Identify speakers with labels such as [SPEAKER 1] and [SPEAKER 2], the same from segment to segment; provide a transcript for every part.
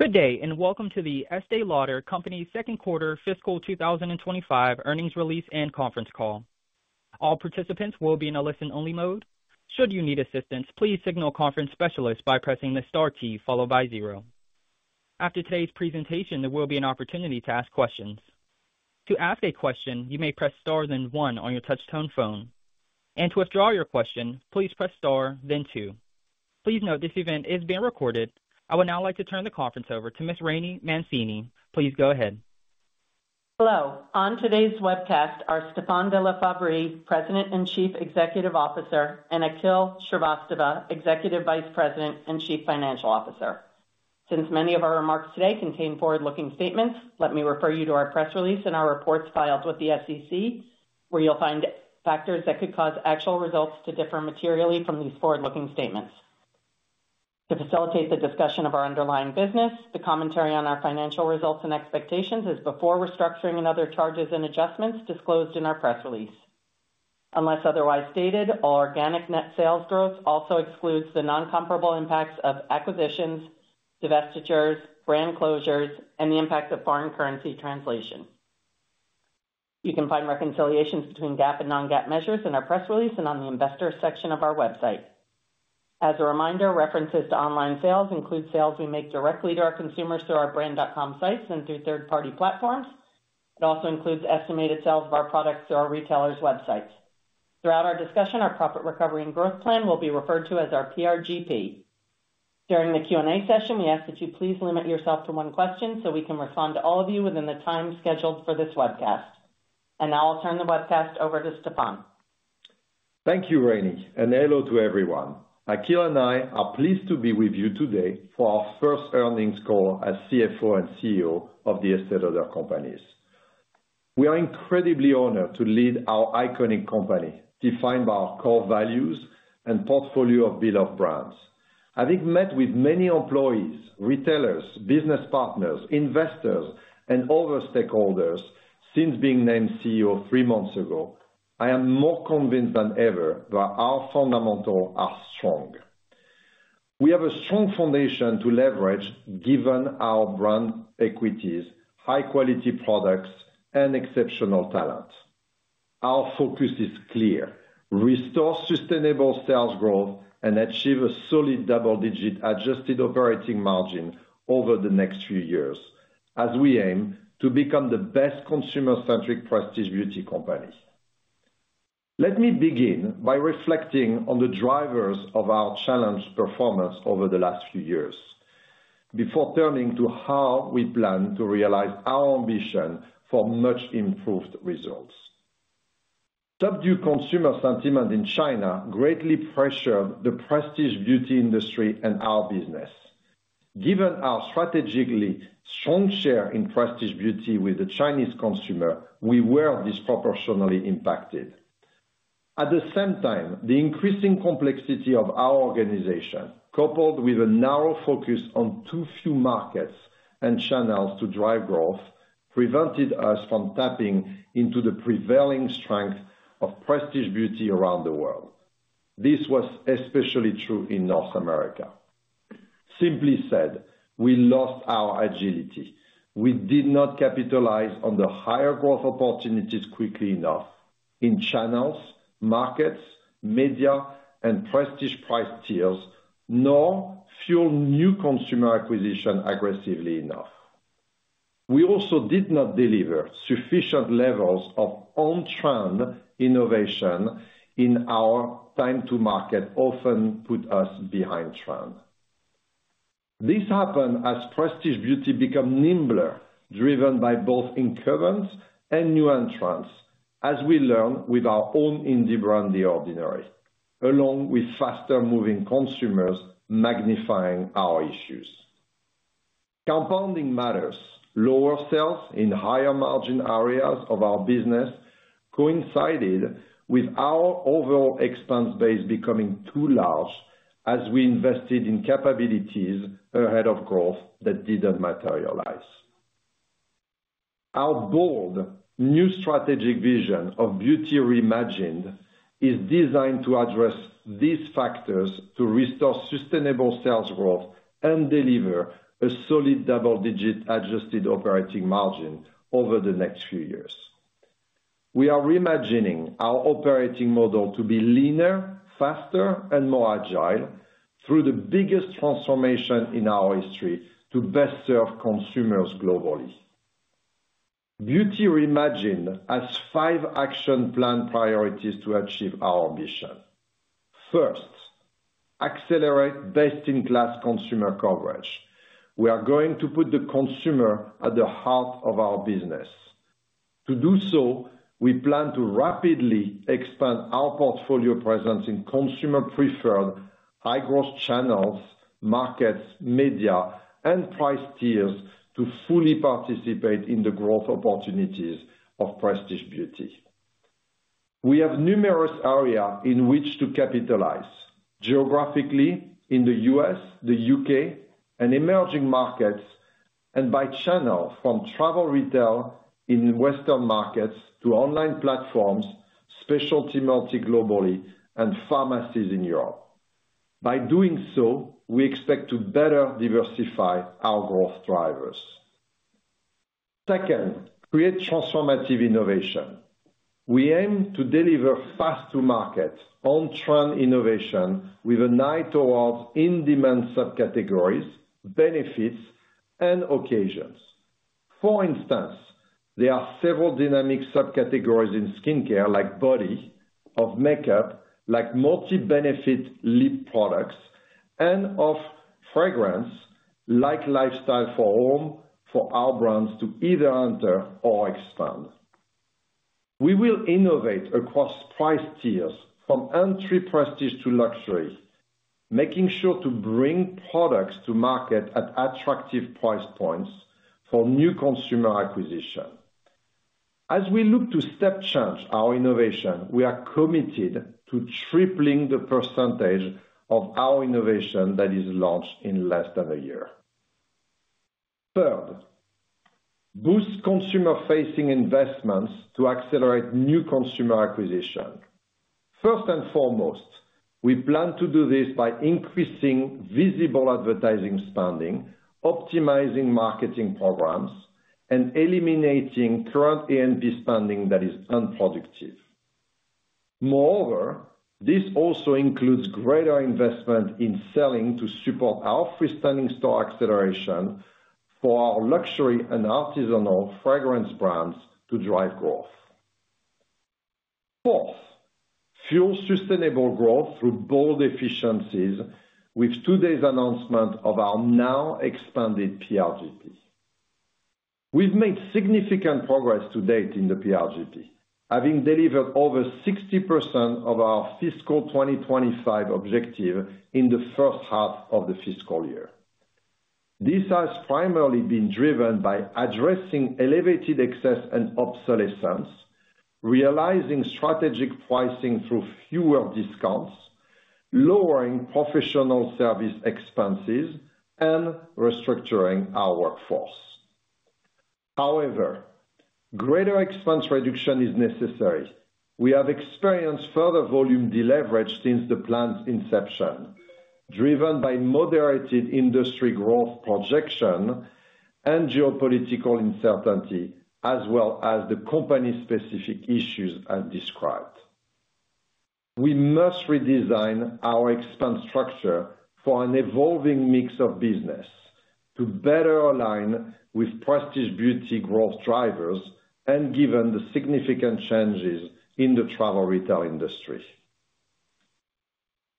[SPEAKER 1] Good day, and welcome to the Estée Lauder Companies' second quarter fiscal 2025 earnings release and conference call. All participants will be in a listen-only mode. Should you need assistance, please signal conference specialists by pressing the star key followed by zero. After today's presentation, there will be an opportunity to ask questions. To ask a question, you may press star then one on your touch-tone phone, and to withdraw your question, please press star then two. Please note this event is being recorded. I would now like to turn the conference over to Ms. Rainey Mancini. Please go ahead.
[SPEAKER 2] Hello. On today's webcast are Stéphane de La Faverie, President and Chief Executive Officer, and Akhil Shrivastava, Executive Vice President and Chief Financial Officer. Since many of our remarks today contain forward-looking statements, let me refer you to our press release and our reports filed with the SEC, where you'll find factors that could cause actual results to differ materially from these forward-looking statements. To facilitate the discussion of our underlying business, the commentary on our financial results and expectations is before restructuring and other charges and adjustments disclosed in our press release. Unless otherwise stated, all organic net sales growth also excludes the non-comparable impacts of acquisitions, divestitures, brand closures, and the impact of foreign currency translation. You can find reconciliations between GAAP and non-GAAP measures in our press release and on the investors' section of our website. As a reminder, references to online sales include sales we make directly to our consumers through our brand.com sites and through third-party platforms. It also includes estimated sales of our products through our retailers' websites. Throughout our discussion, our profit recovery and growth plan will be referred to as our PRGP. During the Q&A session, we ask that you please limit yourself to one question so we can respond to all of you within the time scheduled for this webcast. And now I'll turn the webcast over to Stéphane.
[SPEAKER 3] Thank you, Rainey, and hello to everyone. Akhil and I are pleased to be with you today for our first earnings call as CFO and CEO of The Estée Lauder Companies. We are incredibly honored to lead our iconic company defined by our core values and portfolio of beloved brands. Having met with many employees, retailers, business partners, investors, and other stakeholders since being named CEO three months ago, I am more convinced than ever that our fundamentals are strong. We have a strong foundation to leverage given our brand equities, high-quality products, and exceptional talent. Our focus is clear: restore sustainable sales growth and achieve a solid double-digit adjusted operating margin over the next few years, as we aim to become the best consumer-centric prestige beauty company. Let me begin by reflecting on the drivers of our challenged performance over the last few years before turning to how we plan to realize our ambition for much-improved results. Subdued consumer sentiment in China greatly pressured the prestige Beauty industry and our business. Given our strategically strong share in prestige Beauty with the Chinese consumer, we were disproportionately impacted. At the same time, the increasing complexity of our organization, coupled with a narrow focus on too few markets and channels to drive growth, prevented us from tapping into the prevailing strength of prestige Beauty around the world. This was especially true in North America. Simply said, we lost our agility. We did not capitalize on the higher growth opportunities quickly enough in channels, markets, media, and prestige price tiers, nor fueled new consumer acquisition aggressively enough. We also did not deliver sufficient levels of on-trend innovation in our time-to-market, often put us behind trend. This happened as prestige Beauty became nimbler, driven by both incumbents and new entrants, as we learned with our own indie brand, The Ordinary, along with faster-moving consumers magnifying our issues. Compounding matters: lower sales in higher-margin areas of our business coincided with our overall expense base becoming too large as we invested in capabilities ahead of growth that didn't materialize. Our bold, new strategic vision of Beauty Reimagined is designed to address these factors to restore sustainable sales growth and deliver a solid double-digit adjusted operating margin over the next few years. We are reimagining our operating model to be leaner, faster, and more agile through the biggest transformation in our history to best serve consumers globally. Beauty Reimagined has five action plan priorities to achieve our ambition. First, accelerate best-in-class consumer coverage. We are going to put the consumer at the heart of our business. To do so, we plan to rapidly expand our portfolio presence in consumer-preferred high-growth channels, markets, media, and price tiers to fully participate in the growth opportunities of prestige beauty. We have numerous areas in which to capitalize: geographically in the U.S., the U.K., and emerging markets, and by channel from travel retail in Western markets to online platforms, specialty-multi globally, and pharmacies in Europe. By doing so, we expect to better diversify our growth drivers. Second, create transformative innovation. We aim to deliver fast-to-market, on-trend innovation with an eye towards in-demand subcategories, benefits, and occasions. For instance, there are several dynamic subcategories in skincare like body, of makeup, like multi-benefit lip products, and of fragrance like lifestyle for home for our brands to either enter or expand. We will innovate across price tiers from entry prestige to luxury, making sure to bring products to market at attractive price points for new consumer acquisition. As we look to step-change our innovation, we are committed to tripling the percentage of our innovation that is launched in less than a year. Third, boost consumer-facing investments to accelerate new consumer acquisition. First and foremost, we plan to do this by increasing visible advertising spending, optimizing marketing programs, and eliminating current E&O spending that is unproductive. Moreover, this also includes greater investment in selling to support our freestanding store acceleration for our luxury and artisanal fragrance brands to drive growth. Fourth, fuel sustainable growth through bold efficiencies with today's announcement of our now-expanded PRGP. We've made significant progress to date in the PRGP, having delivered over 60% of our Fiscal 2025 objective in the first half of the fiscal year. This has primarily been driven by addressing elevated excess and obsolescence, realizing strategic pricing through fewer discounts, lowering professional service expenses, and restructuring our workforce. However, greater expense reduction is necessary. We have experienced further volume deleverage since the plan's inception, driven by moderated industry growth projection and geopolitical uncertainty, as well as the company-specific issues as described. We must redesign our expense structure for an evolving mix of business to better align with prestige Beauty growth drivers and given the significant changes in the travel retail industry.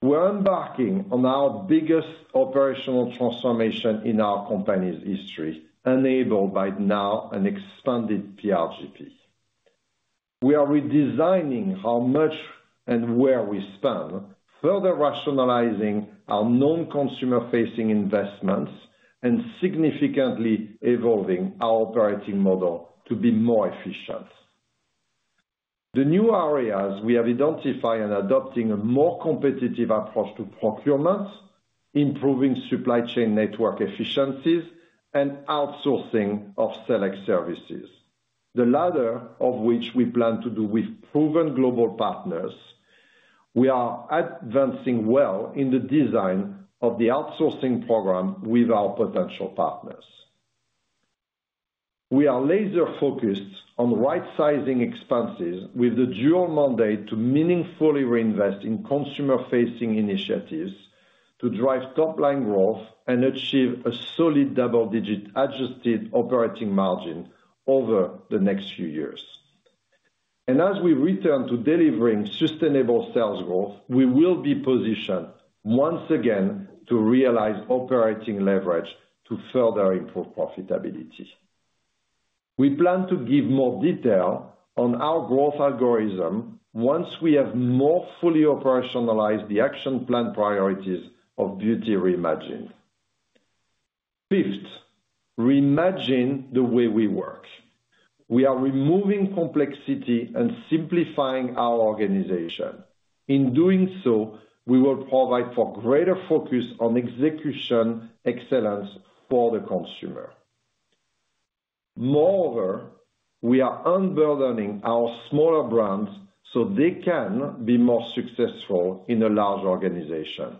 [SPEAKER 3] We're embarking on our biggest operational transformation in our company's history, enabled by now an expanded PRGP. We are redesigning how much and where we spend, further rationalizing our non-consumer-facing investments, and significantly evolving our operating model to be more efficient. The new areas we have identified are adopting a more competitive approach to procurement, improving supply chain network efficiencies, and outsourcing of select services, the latter of which we plan to do with proven global partners. We are advancing well in the design of the outsourcing program with our potential partners. We are laser-focused on right-sizing expenses with the dual mandate to meaningfully reinvest in consumer-facing initiatives to drive top-line growth and achieve a solid double-digit adjusted operating margin over the next few years. And as we return to delivering sustainable sales growth, we will be positioned once again to realize operating leverage to further improve profitability. We plan to give more detail on our growth algorithm once we have more fully operationalized the action plan priorities of Beauty Reimagined. Fifth, reimagine the way we work. We are removing complexity and simplifying our organization. In doing so, we will provide for greater focus on execution excellence for the consumer. Moreover, we are unburdening our smaller brands so they can be more successful in a large organization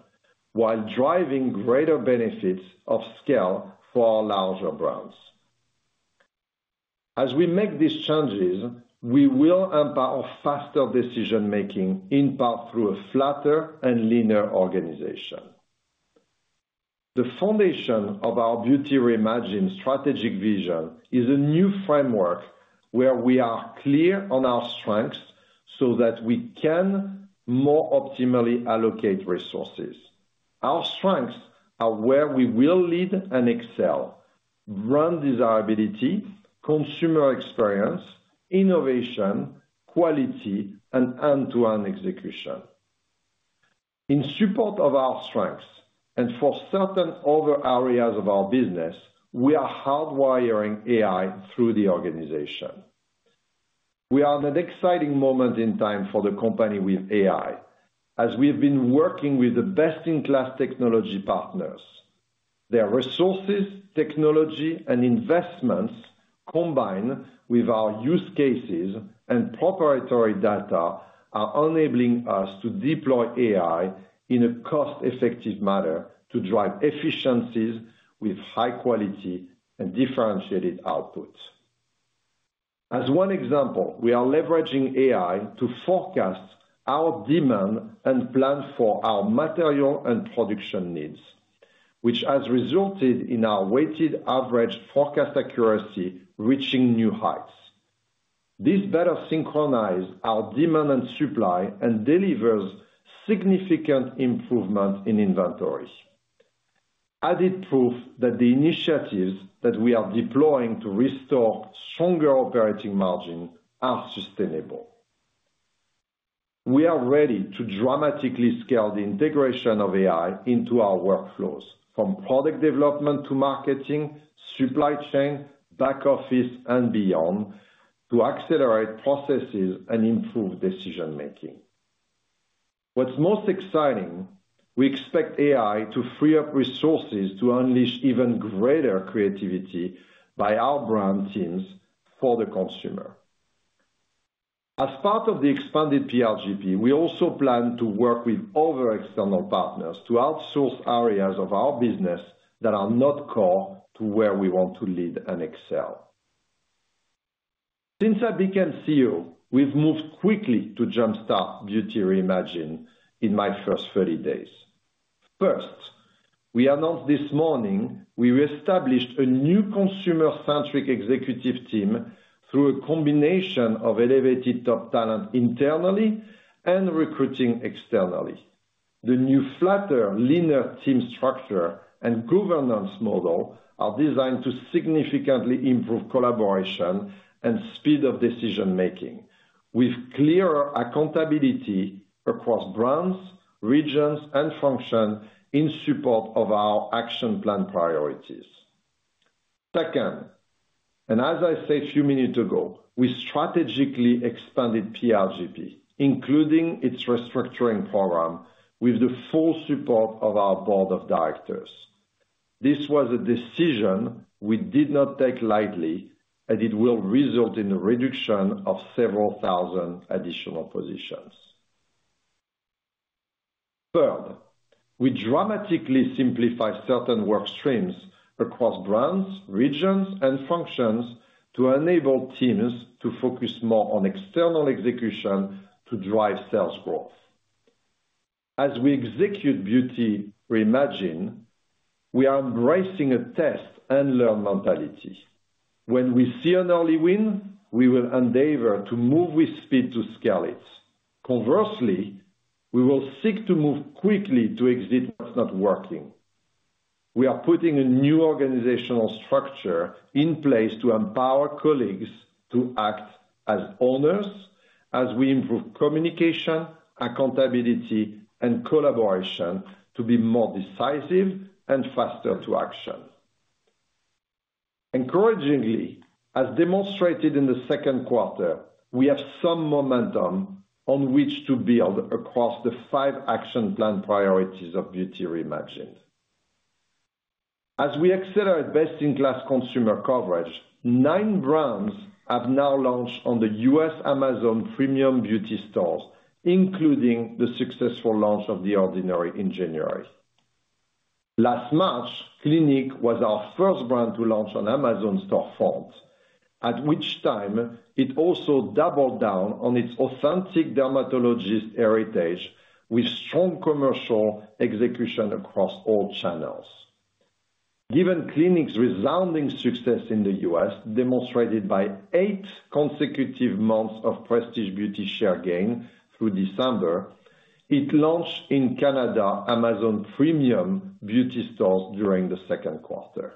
[SPEAKER 3] while driving greater benefits of scale for our larger brands. As we make these changes, we will empower faster decision-making in part through a flatter and leaner organization. The foundation of our Beauty Reimagined strategic vision is a new framework where we are clear on our strengths so that we can more optimally allocate resources. Our strengths are where we will lead and excel: brand desirability, consumer experience, innovation, quality, and end-to-end execution. In support of our strengths and for certain other areas of our business, we are hardwiring AI through the organization. We are in an exciting moment in time for the company with AI, as we've been working with the best-in-class technology partners. Their resources, technology, and investments combined with our use cases and preparatory data are enabling us to deploy AI in a cost-effective manner to drive efficiencies with high quality and differentiated outputs. As one example, we are leveraging AI to forecast our demand and plan for our material and production needs, which has resulted in our weighted average forecast accuracy reaching new heights. This better synchronizes our demand and supply and delivers significant improvements in inventory, added proof that the initiatives that we are deploying to restore stronger operating margin are sustainable. We are ready to dramatically scale the integration of AI into our workflows, from product development to marketing, supply chain, back office, and beyond, to accelerate processes and improve decision-making. What's most exciting, we expect AI to free up resources to unleash even greater creativity by our brand teams for the consumer. As part of the expanded PRGP, we also plan to work with other external partners to outsource areas of our business that are not core to where we want to lead and excel. Since I became CEO, we've moved quickly to jump-start Beauty Reimagined in my first 30 days. First, we announced this morning we established a new consumer-centric executive team through a combination of elevated top talent internally and recruiting externally. The new flatter, leaner team structure and governance model are designed to significantly improve collaboration and speed of decision-making with clearer accountability across brands, regions, and functions in support of our action plan priorities. Second, and as I said a few minutes ago, we strategically expanded PRGP, including its restructuring program, with the full support of our board of directors. This was a decision we did not take lightly, and it will result in the reduction of several thousand additional positions. Third, we dramatically simplify certain work streams across brands, regions, and functions to enable teams to focus more on external execution to drive sales growth. As we execute Beauty Reimagined, we are embracing a test-and-learn mentality. When we see an early win, we will endeavor to move with speed to scale it. Conversely, we will seek to move quickly to exit what's not working. We are putting a new organizational structure in place to empower colleagues to act as owners, as we improve communication, accountability, and collaboration to be more decisive and faster to action. Encouragingly, as demonstrated in the second quarter, we have some momentum on which to build across the five action plan priorities of Beauty Reimagined. As we accelerate best-in-class consumer coverage, nine brands have now launched on the U.S. Amazon Premium Beauty stores, including the successful launch of The Ordinary in January. Last March, Clinique was our first brand to launch on Amazon storefront, at which time it also doubled down on its authentic dermatologist heritage with strong commercial execution across all channels. Given Clinique's resounding success in the U.S., demonstrated by eight consecutive months of prestige beauty share gain through December, it launched in Canada Amazon Premium Beauty stores during the second quarter.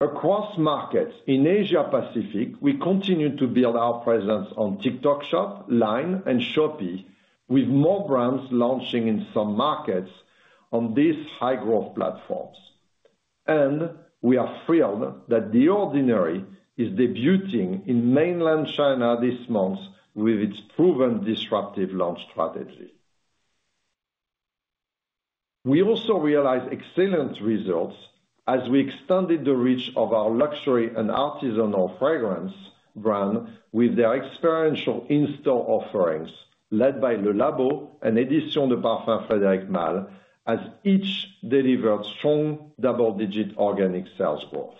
[SPEAKER 3] Across markets in Asia-Pacific, we continue to build our presence on TikTok Shop, Line, and Shopee, with more brands launching in some markets on these high-growth platforms. And we are thrilled that The Ordinary is debuting in mainland China this month with its proven disruptive launch strategy. We also realized excellent results as we extended the reach of our luxury and artisanal fragrance brand with their experiential in-store offerings led by Le Labo and Éditions de Parfums Frédéric Malle, as each delivered strong double-digit organic sales growth.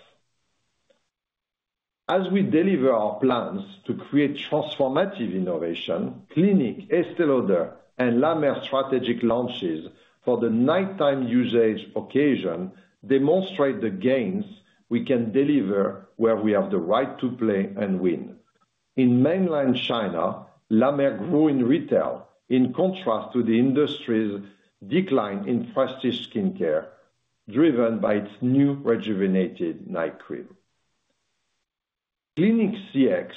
[SPEAKER 3] As we deliver our plans to create transformative innovation, Clinique, Estée Lauder, and La Mer strategic launches for the nighttime usage occasion demonstrate the gains we can deliver where we have the right to play and win. In Mainland China, La Mer grew in retail in contrast to the industry's decline in prestige skincare driven by its new rejuvenated night cream. Clinique CX,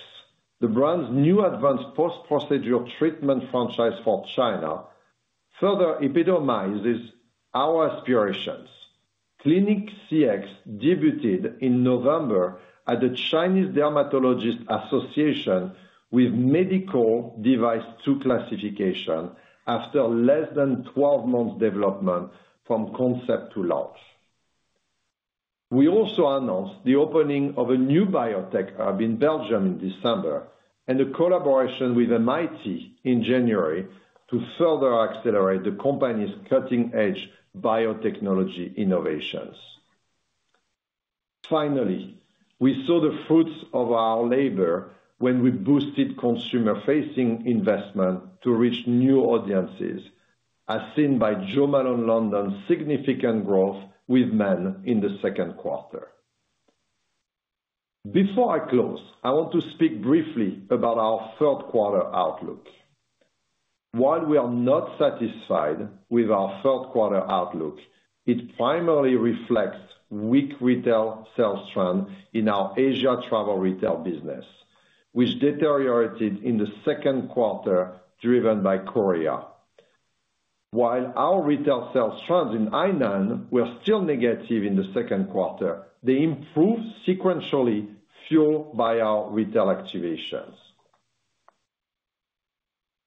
[SPEAKER 3] the brand's new advanced post-procedure treatment franchise for China, further epitomizes our aspirations. Clinique CX debuted in November at the Chinese Dermatologists Association with medical device two classification after less than 12 months' development from concept to launch. We also announced the opening of a new biotech hub in Belgium in December and a collaboration with MIT in January to further accelerate the company's cutting-edge biotechnology innovations. Finally, we saw the fruits of our labor when we boosted consumer-facing investment to reach new audiences, as seen by Jo Malone London's significant growth with men in the second quarter. Before I close, I want to speak briefly about our third quarter outlook. While we are not satisfied with our third quarter outlook, it primarily reflects weak retail sales trends in our Asia travel retail business, which deteriorated in the second quarter driven by Korea. While our retail sales trends in Hainan were still negative in the second quarter, they improved sequentially fueled by our retail activations.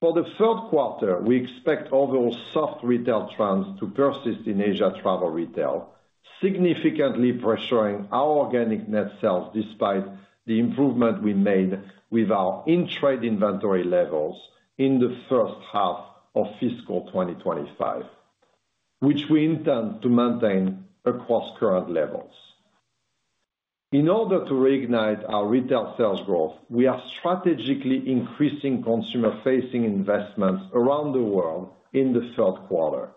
[SPEAKER 3] For the third quarter, we expect overall soft retail trends to persist in Asia travel retail, significantly pressuring our organic net sales despite the improvement we made with our in-trade inventory levels in the first half of fiscal 2025, which we intend to maintain across current levels. In order to reignite our retail sales growth, we are strategically increasing consumer-facing investments around the world in the third quarter.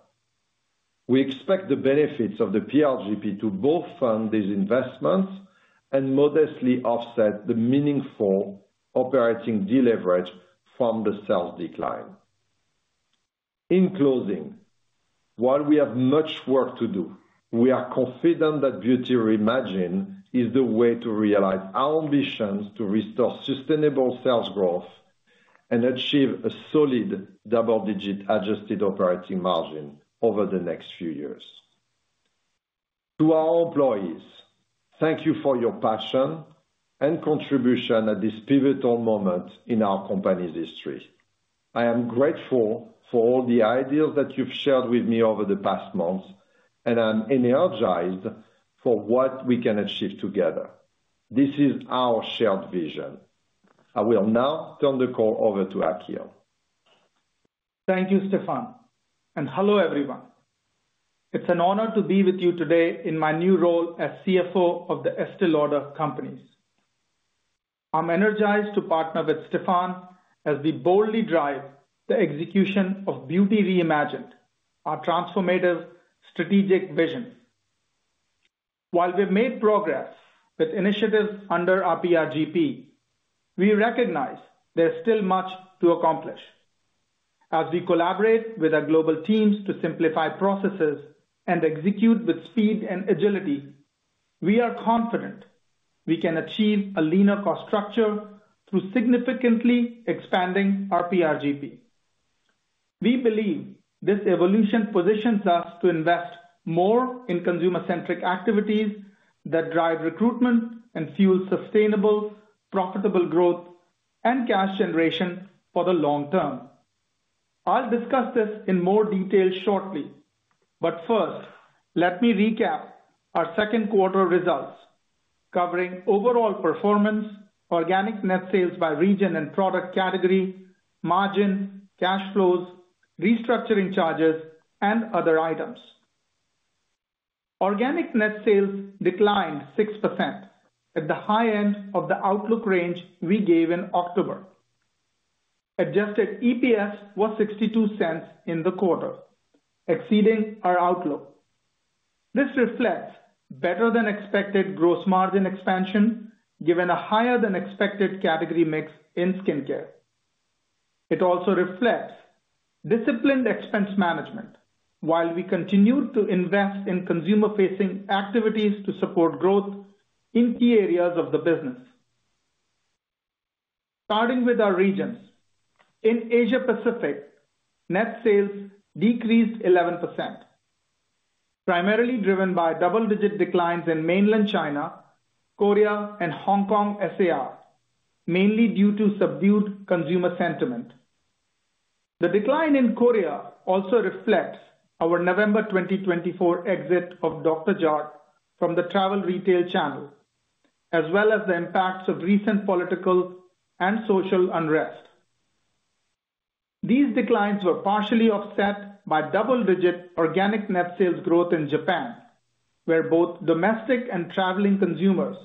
[SPEAKER 3] We expect the benefits of the PRGP to both fund these investments and modestly offset the meaningful operating deleverage from the sales decline. In closing, while we have much work to do, we are confident that Beauty Reimagined is the way to realize our ambitions to restore sustainable sales growth and achieve a solid double-digit adjusted operating margin over the next few years. To our employees, thank you for your passion and contribution at this pivotal moment in our company's history. I am grateful for all the ideas that you've shared with me over the past months, and I'm energized for what we can achieve together. This is our shared vision. I will now turn the call over to Akhil.
[SPEAKER 4] Thank you, Stéphane, and hello everyone. It's an honor to be with you today in my new role as CFO of the Estée Lauder Companies. I'm energized to partner with Stéphane as we boldly drive the execution of Beauty Reimagined, our transformative strategic vision. While we've made progress with initiatives under our PRGP, we recognize there's still much to accomplish. As we collaborate with our global teams to simplify processes and execute with speed and agility, we are confident we can achieve a leaner cost structure through significantly expanding our PRGP. We believe this evolution positions us to invest more in consumer-centric activities that drive recruitment and fuel sustainable, profitable growth and cash generation for the long term. I'll discuss this in more detail shortly, but first, let me recap our second quarter results covering overall performance, organic net sales by region and product category, margin, cash flows, restructuring charges, and other items. Organic net sales declined 6% at the high end of the outlook range we gave in October. Adjusted EPS was $0.62 in the quarter, exceeding our outlook. This reflects better-than-expected gross margin expansion given a higher-than-expected category mix in skincare. It also reflects disciplined expense management while we continue to invest in consumer-facing activities to support growth in key areas of the business. Starting with our regions, in Asia-Pacific, net sales decreased 11%, primarily driven by double-digit declines in mainland China, Korea, and Hong Kong SAR, mainly due to subdued consumer sentiment. The decline in Korea also reflects our November 2024 exit of Dr. Jart from the travel retail channel, as well as the impacts of recent political and social unrest. These declines were partially offset by double-digit organic net sales growth in Japan, where both domestic and traveling consumers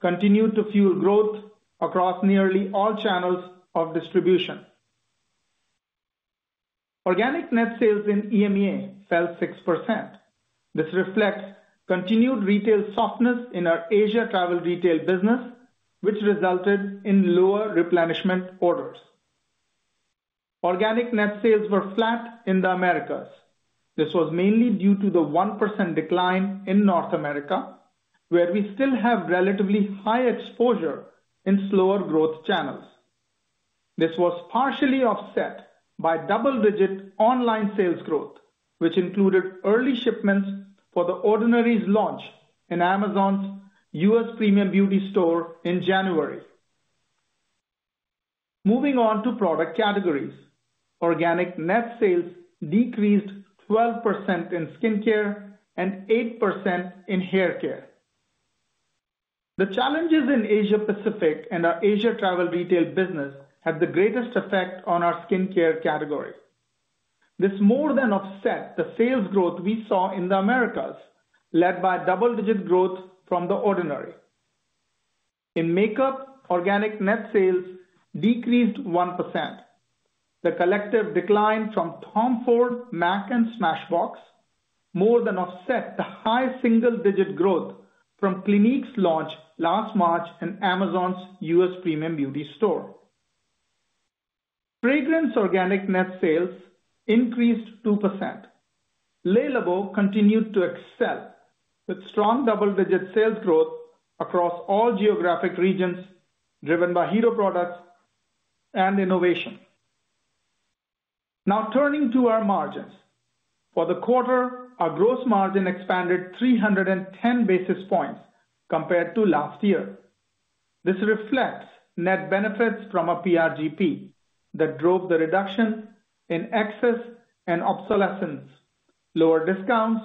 [SPEAKER 4] continued to fuel growth across nearly all channels of distribution. Organic net sales in EMEA fell 6%. This reflects continued retail softness in our Asia travel retail business, which resulted in lower replenishment orders. Organic net sales were flat in the Americas. This was mainly due to the 1% decline in North America, where we still have relatively high exposure in slower growth channels. This was partially offset by double-digit online sales growth, which included early shipments for The Ordinary's launch in Amazon's U.S. Premium Beauty store in January. Moving on to product categories, organic net sales decreased 12% in skincare and 8% in hair care. The challenges in Asia-Pacific and our Asia travel retail business had the greatest effect on our skincare category. This more than offset the sales growth we saw in the Americas, led by double-digit growth from The Ordinary. In makeup, organic net sales decreased 1%. The collective decline from Tom Ford, MAC, and Smashbox more than offset the high single-digit growth from Clinique's launch last March in Amazon's U.S. Premium Beauty store. Fragrance organic net sales increased 2%. Le Labo continued to excel with strong double-digit sales growth across all geographic regions driven by hero products and innovation. Now turning to our margins, for the quarter, our gross margin expanded 310 basis points compared to last year. This reflects net benefits from our PRGP that drove the reduction in excess and obsolescence, lower discounts,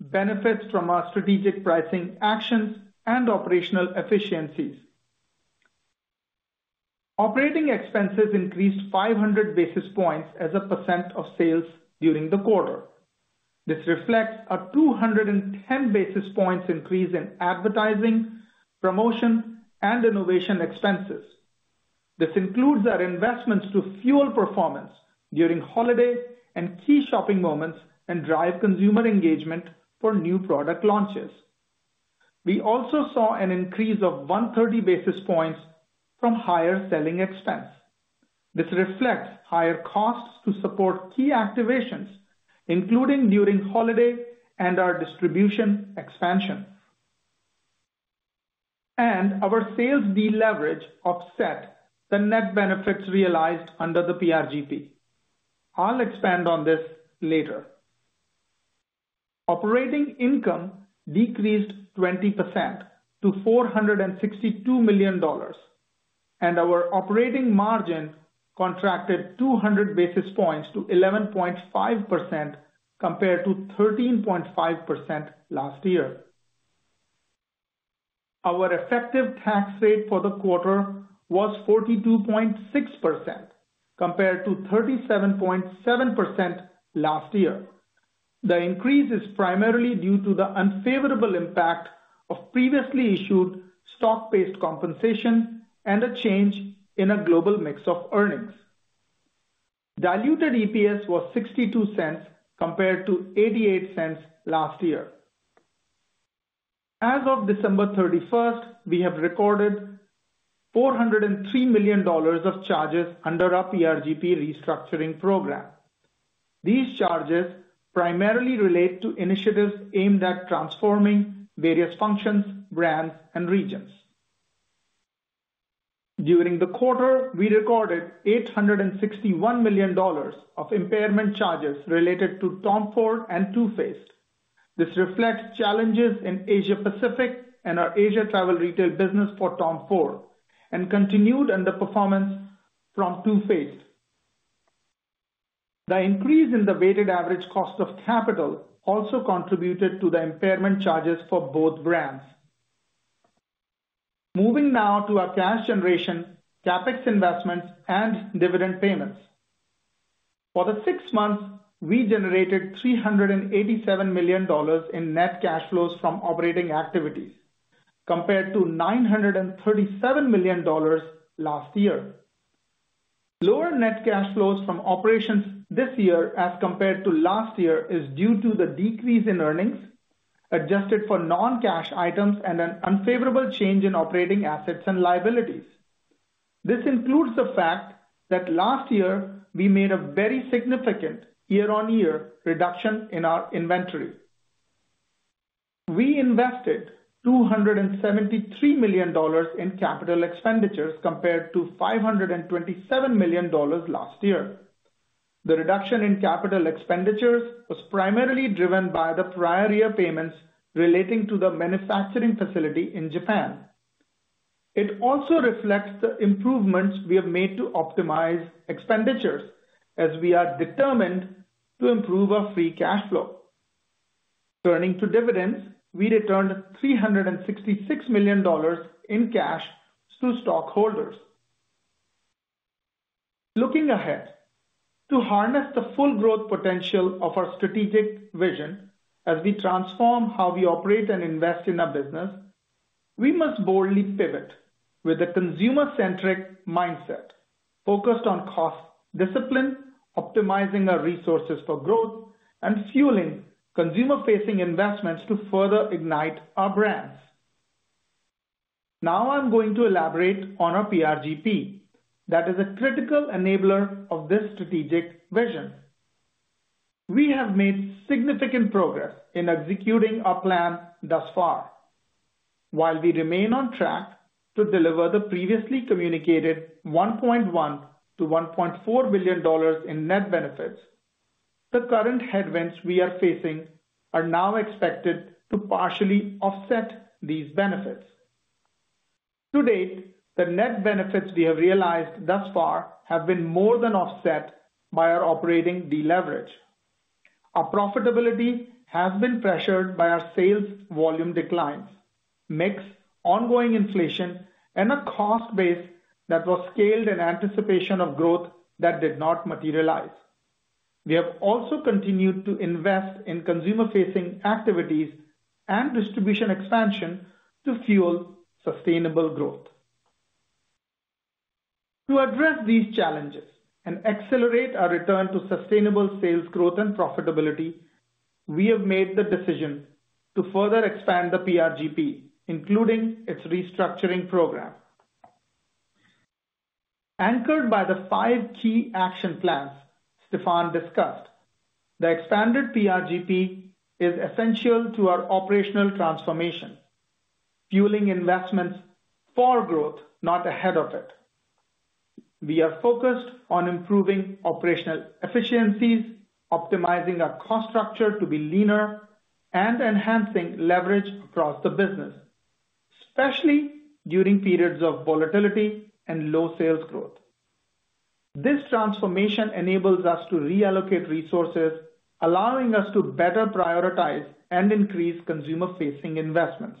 [SPEAKER 4] benefits from our strategic pricing actions, and operational efficiencies. Operating expenses increased 500 basis points as a % of sales during the quarter. This reflects a 210 basis points increase in advertising, promotion, and innovation expenses. This includes our investments to fuel performance during holiday and key shopping moments and drive consumer engagement for new product launches. We also saw an increase of 130 basis points from higher selling expense. This reflects higher costs to support key activations, including during holiday and our distribution expansion, and our sales deleverage offset the net benefits realized under the PRGP. I'll expand on this later. Operating income decreased 20% to $462 million, and our operating margin contracted 200 basis points to 11.5% compared to 13.5% last year. Our effective tax rate for the quarter was 42.6% compared to 37.7% last year. The increase is primarily due to the unfavorable impact of previously issued stock-based compensation and a change in our global mix of earnings. Diluted EPS was $0.62 compared to $0.88 last year. As of December 31st, we have recorded $403 million of charges under our PRGP restructuring program. These charges primarily relate to initiatives aimed at transforming various functions, brands, and regions. During the quarter, we recorded $861 million of impairment charges related to Tom Ford and Too Faced. This reflects challenges in Asia Pacific and our Asia travel retail business for Tom Ford and continued underperformance from Too Faced. The increase in the weighted average cost of capital also contributed to the impairment charges for both brands. Moving now to our cash generation, CapEx investments, and dividend payments. For the six months, we generated $387 million in net cash flows from operating activities compared to $937 million last year. Lower net cash flows from operations this year as compared to last year is due to the decrease in earnings adjusted for non-cash items and an unfavorable change in operating assets and liabilities. This includes the fact that last year we made a very significant year-on-year reduction in our inventory. We invested $273 million in capital expenditures compared to $527 million last year. The reduction in capital expenditures was primarily driven by the prior year payments relating to the manufacturing facility in Japan. It also reflects the improvements we have made to optimize expenditures as we are determined to improve our free cash flow. Turning to dividends, we returned $366 million in cash to stockholders. Looking ahead, to harness the full growth potential of our strategic vision as we transform how we operate and invest in our business, we must boldly pivot with a consumer-centric mindset focused on cost discipline, optimizing our resources for growth, and fueling consumer-facing investments to further ignite our brands. Now I'm going to elaborate on our PRGP that is a critical enabler of this strategic vision. We have made significant progress in executing our plan thus far. While we remain on track to deliver the previously communicated $1.1-$1.4 billion in net benefits, the current headwinds we are facing are now expected to partially offset these benefits. To date, the net benefits we have realized thus far have been more than offset by our operating deleverage. Our profitability has been pressured by our sales volume declines, mixed ongoing inflation, and a cost base that was scaled in anticipation of growth that did not materialize. We have also continued to invest in consumer-facing activities and distribution expansion to fuel sustainable growth. To address these challenges and accelerate our return to sustainable sales growth and profitability, we have made the decision to further expand the PRGP, including its restructuring program. Anchored by the five key action plans Stéphane discussed, the expanded PRGP is essential to our operational transformation, fueling investments for growth, not ahead of it. We are focused on improving operational efficiencies, optimizing our cost structure to be leaner, and enhancing leverage across the business, especially during periods of volatility and low sales growth. This transformation enables us to reallocate resources, allowing us to better prioritize and increase consumer-facing investments.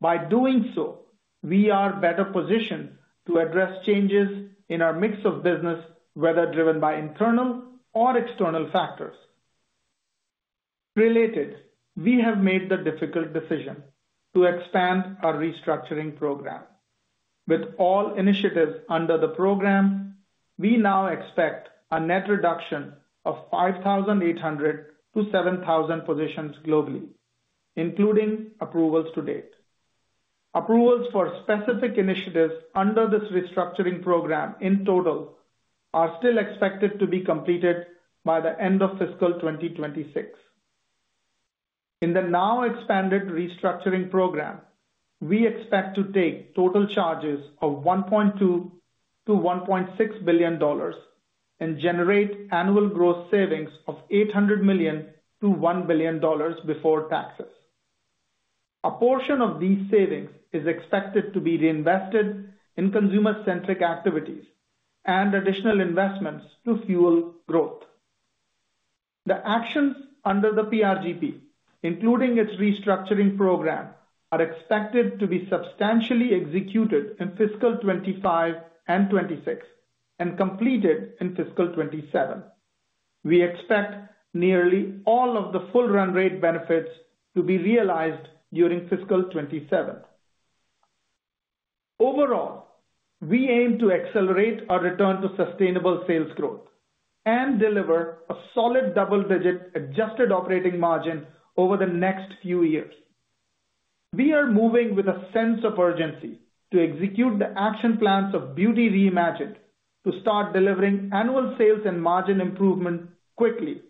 [SPEAKER 4] By doing so, we are better positioned to address changes in our mix of business, whether driven by internal or external factors. Related, we have made the difficult decision to expand our restructuring program. With all initiatives under the program, we now expect a net reduction of 5,800-7,000 positions globally, including approvals to date. Approvals for specific initiatives under this restructuring program in total are still expected to be completed by the end of fiscal 2026. In the now expanded restructuring program, we expect to take total charges of $1.2-$1.6 billion and generate annual gross savings of $800 million-$1 billion before taxes. A portion of these savings is expected to be reinvested in consumer-centric activities and additional investments to fuel growth. The actions under the PRGP, including its restructuring program, are expected to be substantially executed in fiscal 2025 and 2026 and completed in fiscal 2027. We expect nearly all of the full run rate benefits to be realized during fiscal 2027. Overall, we aim to accelerate our return to sustainable sales growth and deliver a solid double-digit adjusted operating margin over the next few years. We are moving with a sense of urgency to execute the action plans of Beauty Reimagined to start delivering annual sales and margin improvement quickly.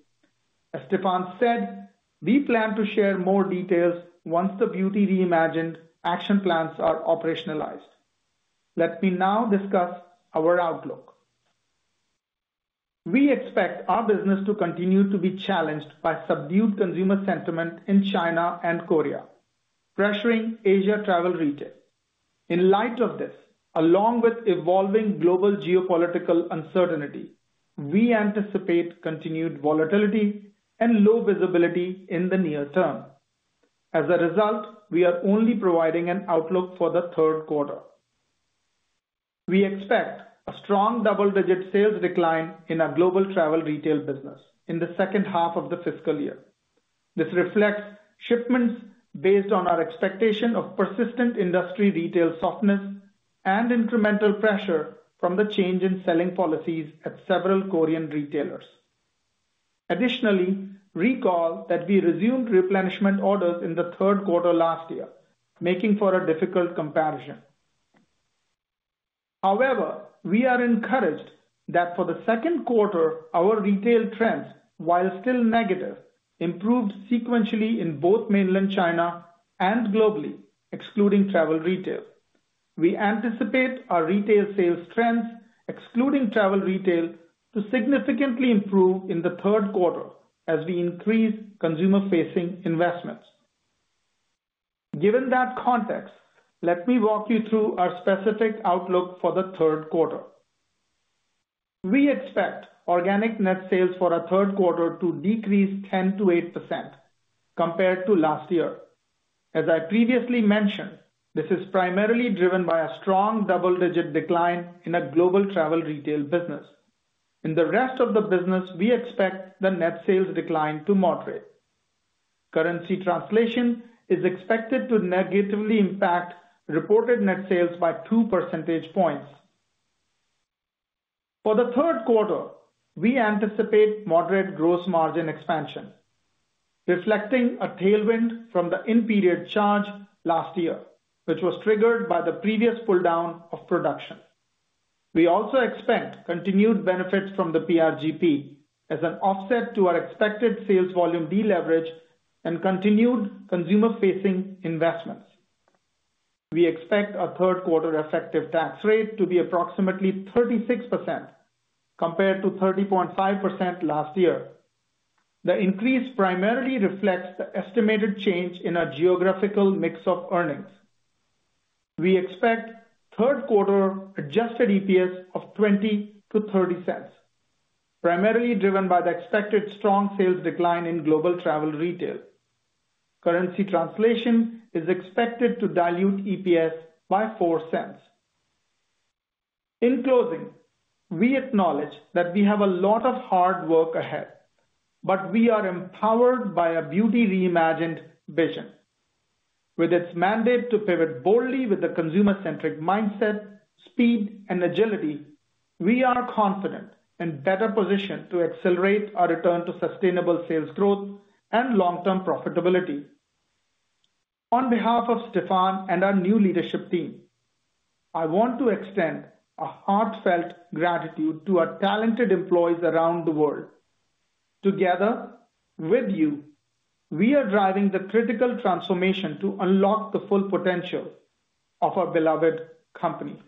[SPEAKER 4] As Stéphane said, we plan to share more details once the Beauty Reimagined action plans are operationalized. Let me now discuss our outlook. We expect our business to continue to be challenged by subdued consumer sentiment in China and Korea, pressuring Asia travel retail. In light of this, along with evolving global geopolitical uncertainty, we anticipate continued volatility and low visibility in the near term. As a result, we are only providing an outlook for the third quarter. We expect a strong double-digit sales decline in our global travel retail business in the second half of the fiscal year. This reflects shipments based on our expectation of persistent industry retail softness and incremental pressure from the change in selling policies at several Korean retailers. Additionally, recall that we resumed replenishment orders in the third quarter last year, making for a difficult comparison. However, we are encouraged that for the second quarter, our retail trends, while still negative, improved sequentially in both mainland China and globally, excluding travel retail. We anticipate our retail sales trends, excluding travel retail, to significantly improve in the third quarter as we increase consumer-facing investments. Given that context, let me walk you through our specific outlook for the third quarter. We expect organic net sales for our third quarter to decrease 10% to 8% compared to last year. As I previously mentioned, this is primarily driven by a strong double-digit decline in our global travel retail business. In the rest of the business, we expect the net sales decline to moderate. Currency translation is expected to negatively impact reported net sales by two percentage points. For the third quarter, we anticipate moderate gross margin expansion, reflecting a tailwind from the in-period charge last year, which was triggered by the previous pulldown of production. We also expect continued benefits from the PRGP as an offset to our expected sales volume deleverage and continued consumer-facing investments. We expect our third quarter effective tax rate to be approximately 36% compared to 30.5% last year. The increase primarily reflects the estimated change in our geographical mix of earnings. We expect third quarter adjusted EPS of $0.20-$0.30, primarily driven by the expected strong sales decline in global travel retail. Currency translation is expected to dilute EPS by $0.04. In closing, we acknowledge that we have a lot of hard work ahead, but we are empowered by a Beauty Reimagined vision. With its mandate to pivot boldly with a consumer-centric mindset, speed, and agility, we are confident and better positioned to accelerate our return to sustainable sales growth and long-term profitability. On behalf of Stéphane and our new leadership team, I want to extend a heartfelt gratitude to our talented employees around the world. Together with you, we are driving the critical transformation to unlock the full potential of our beloved company.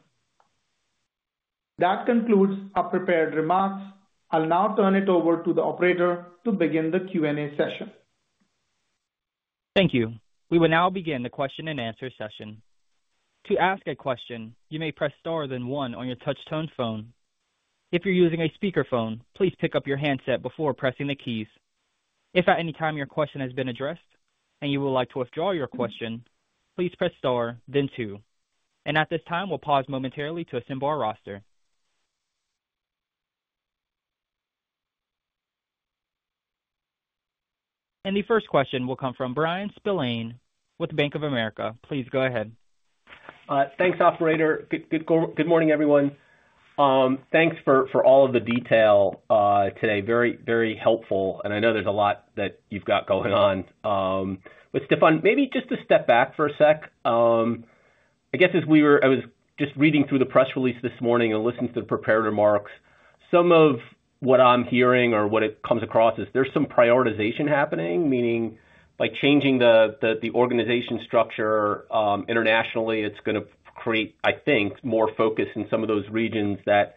[SPEAKER 4] That concludes our prepared remarks. I'll now turn it over to the operator to begin the Q&A session.
[SPEAKER 1] Thank you. We will now begin the question and answer session. To ask a question, you may press star then one on your touch-tone phone. If you're using a speakerphone, please pick up your handset before pressing the keys. If at any time your question has been addressed and you would like to withdraw your question, please press star then two. At this time, we'll pause momentarily to assemble our roster. The first question will come from Bryan Spillane with Bank of America. Please go ahead.
[SPEAKER 5] Thanks, Operator. Good morning, everyone. Thanks for all of the detail today. Very, very helpful. I know there's a lot that you've got going on. But Stéphane, maybe just to step back for a sec. I guess as we were—I was just reading through the press release this morning and listening to the prepared remarks. Some of what I'm hearing or what it comes across is there's some prioritization happening, meaning by changing the organization structure internationally, it's going to create, I think, more focus in some of those regions that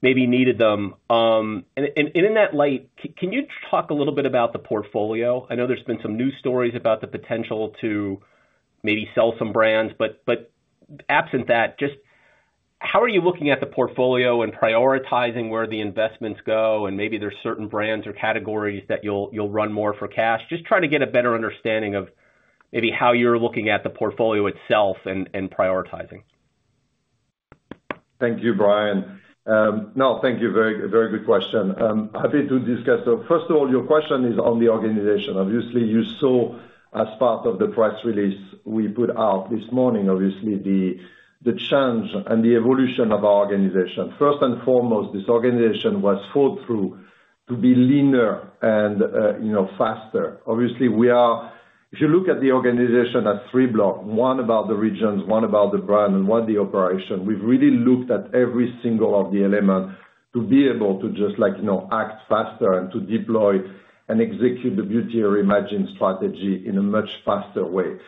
[SPEAKER 5] maybe needed them. And in that light, can you talk a little bit about the portfolio? I know there's been some news stories about the potential to maybe sell some brands, but absent that, just how are you looking at the portfolio and prioritizing where the investments go? And maybe there's certain brands or categories that you'll run more for cash. Just trying to get a better understanding of maybe how you're looking at the portfolio itself and prioritizing.
[SPEAKER 3] Thank you, Brian. No, thank you. Very good question. Happy to discuss. So first of all, your question is on the organization. Obviously, you saw as part of the press release we put out this morning, obviously, the change and the evolution of our organization. First and foremost, this organization was thought through to be leaner and faster. Obviously, if you look at the organization as three blocks: one about the regions, one about the brand, and one the operation, we've really looked at every single of the elements to be able to just act faster and to deploy and execute the Beauty Reimagined strategy in a much faster way.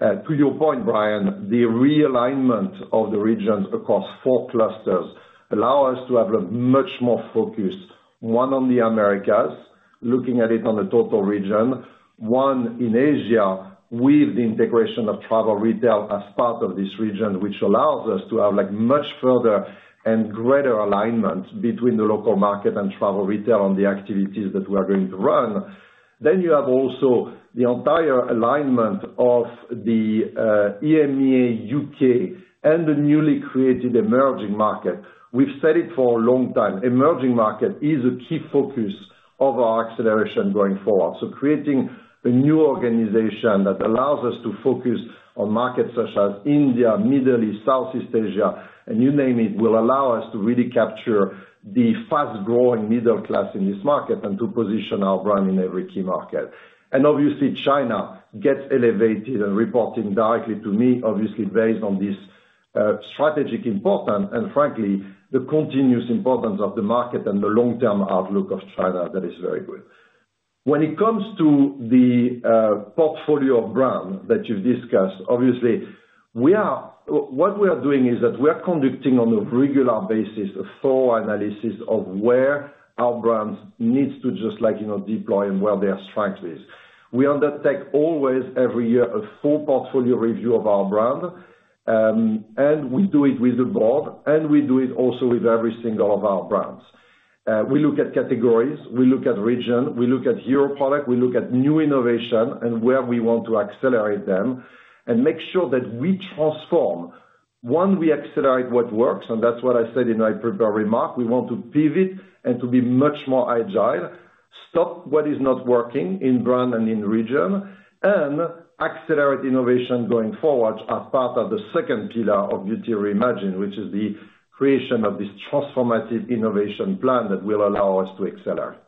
[SPEAKER 3] To your point, Brian, the realignment of the regions across four clusters allows us to have a much more focused one on the Americas, looking at it on the total region, one in Asia with the integration of travel retail as part of this region, which allows us to have much further and greater alignment between the local market and travel retail on the activities that we are going to run. Then you have also the entire alignment of the EMEA UK and the newly created emerging market. We've said it for a long time. Emerging market is a key focus of our acceleration going forward. Creating a new organization that allows us to focus on markets such as India, Middle East, Southeast Asia, and you name it will allow us to really capture the fast-growing middle class in this market and to position our brand in every key market. Obviously, China gets elevated and reporting directly to me, obviously, based on this strategic importance and, frankly, the continuous importance of the market and the long-term outlook of China that is very good. When it comes to the portfolio of brands that you've discussed, obviously, what we are doing is that we are conducting on a regular basis a thorough analysis of where our brands need to just deploy and where their strength is. We undertake always, every year, a full portfolio review of our brand, and we do it with the board, and we do it also with every single of our brands. We look at categories. We look at region. We look at your product. We look at new innovation and where we want to accelerate them and make sure that we transform. One, we accelerate what works, and that's what I said in my prepared remark. We want to pivot and to be much more agile, stop what is not working in brand and in region, and accelerate innovation going forward as part of the second pillar of Beauty Reimagined, which is the creation of this transformative innovation plan that will allow us to accelerate.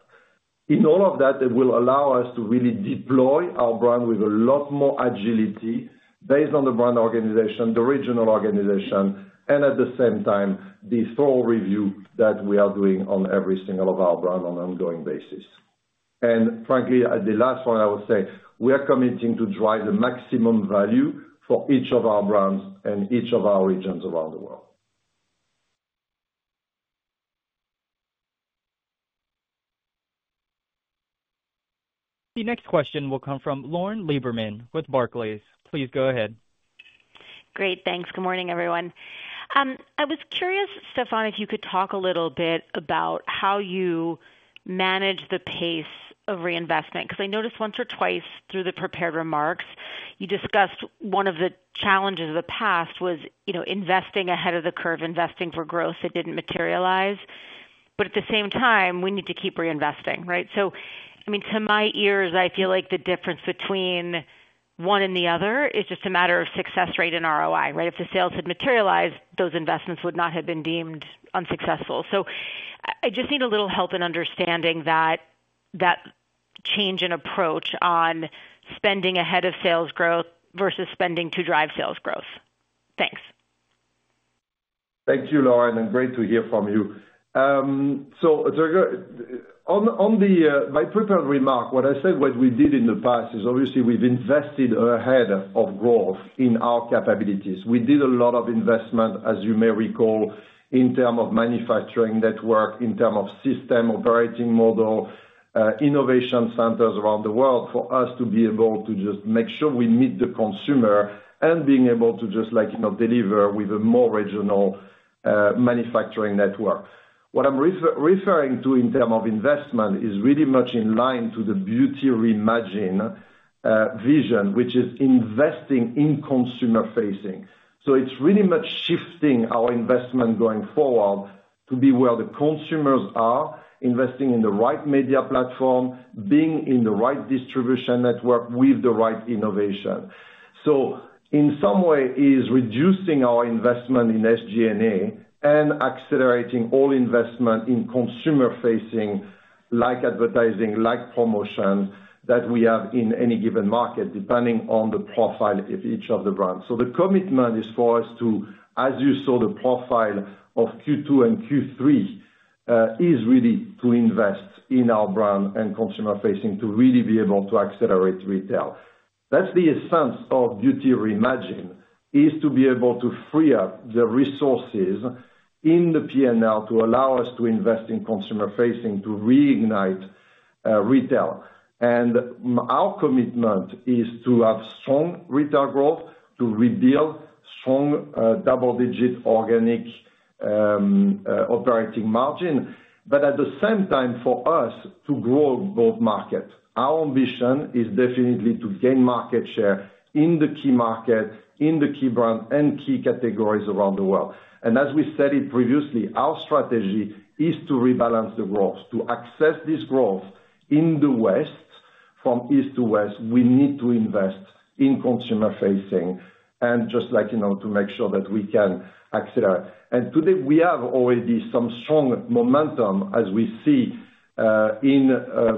[SPEAKER 3] In all of that, it will allow us to really deploy our brand with a lot more agility based on the brand organization, the regional organization, and at the same time, the thorough review that we are doing on every single of our brand on an ongoing basis. And frankly, the last one I would say, we are committing to drive the maximum value for each of our brands and each of our regions around the world.
[SPEAKER 1] The next question will come from Lauren Lieberman with Barclays. Please go ahead.
[SPEAKER 6] Great. Thanks. Good morning, everyone. I was curious, Stéphane, if you could talk a little bit about how you manage the pace of reinvestment. Because I noticed once or twice through the prepared remarks, you discussed one of the challenges of the past was investing ahead of the curve, investing for growth that didn't materialize. But at the same time, we need to keep reinvesting, right? So, I mean, to my ears, I feel like the difference between one and the other is just a matter of success rate and ROI, right? If the sales had materialized, those investments would not have been deemed unsuccessful. So I just need a little help in understanding that change in approach on spending ahead of sales growth versus spending to drive sales growth. Thanks.
[SPEAKER 3] Thank you, Lauren, and great to hear from you. So on the prepared remark, what I said, what we did in the past is obviously we've invested ahead of growth in our capabilities. We did a lot of investment, as you may recall, in terms of manufacturing network, in terms of system operating model, innovation centers around the world for us to be able to just make sure we meet the consumer and being able to just deliver with a more regional manufacturing network. What I'm referring to in terms of investment is really much in line to the Beauty Reimagined vision, which is investing in consumer-facing. So it's really much shifting our investment going forward to be where the consumers are, investing in the right media platform, being in the right distribution network with the right innovation. So in some way, it is reducing our investment in SG&A and accelerating all investment in consumer-facing, like advertising, like promotion that we have in any given market, depending on the profile of each of the brands. So the commitment is for us to, as you saw, the profile of Q2 and Q3 is really to invest in our brand and consumer-facing to really be able to accelerate retail. That's the essence of Beauty Reimagined, is to be able to free up the resources in the P&L to allow us to invest in consumer-facing to reignite retail. Our commitment is to have strong retail growth, to rebuild strong double-digit organic operating margin, but at the same time for us to grow both markets. Our ambition is definitely to gain market share in the key market, in the key brand, and key categories around the world. As we said it previously, our strategy is to rebalance the growth. To access this growth in the West, from East to West, we need to invest in consumer-facing and just to make sure that we can accelerate. Today, we have already some strong momentum as we see in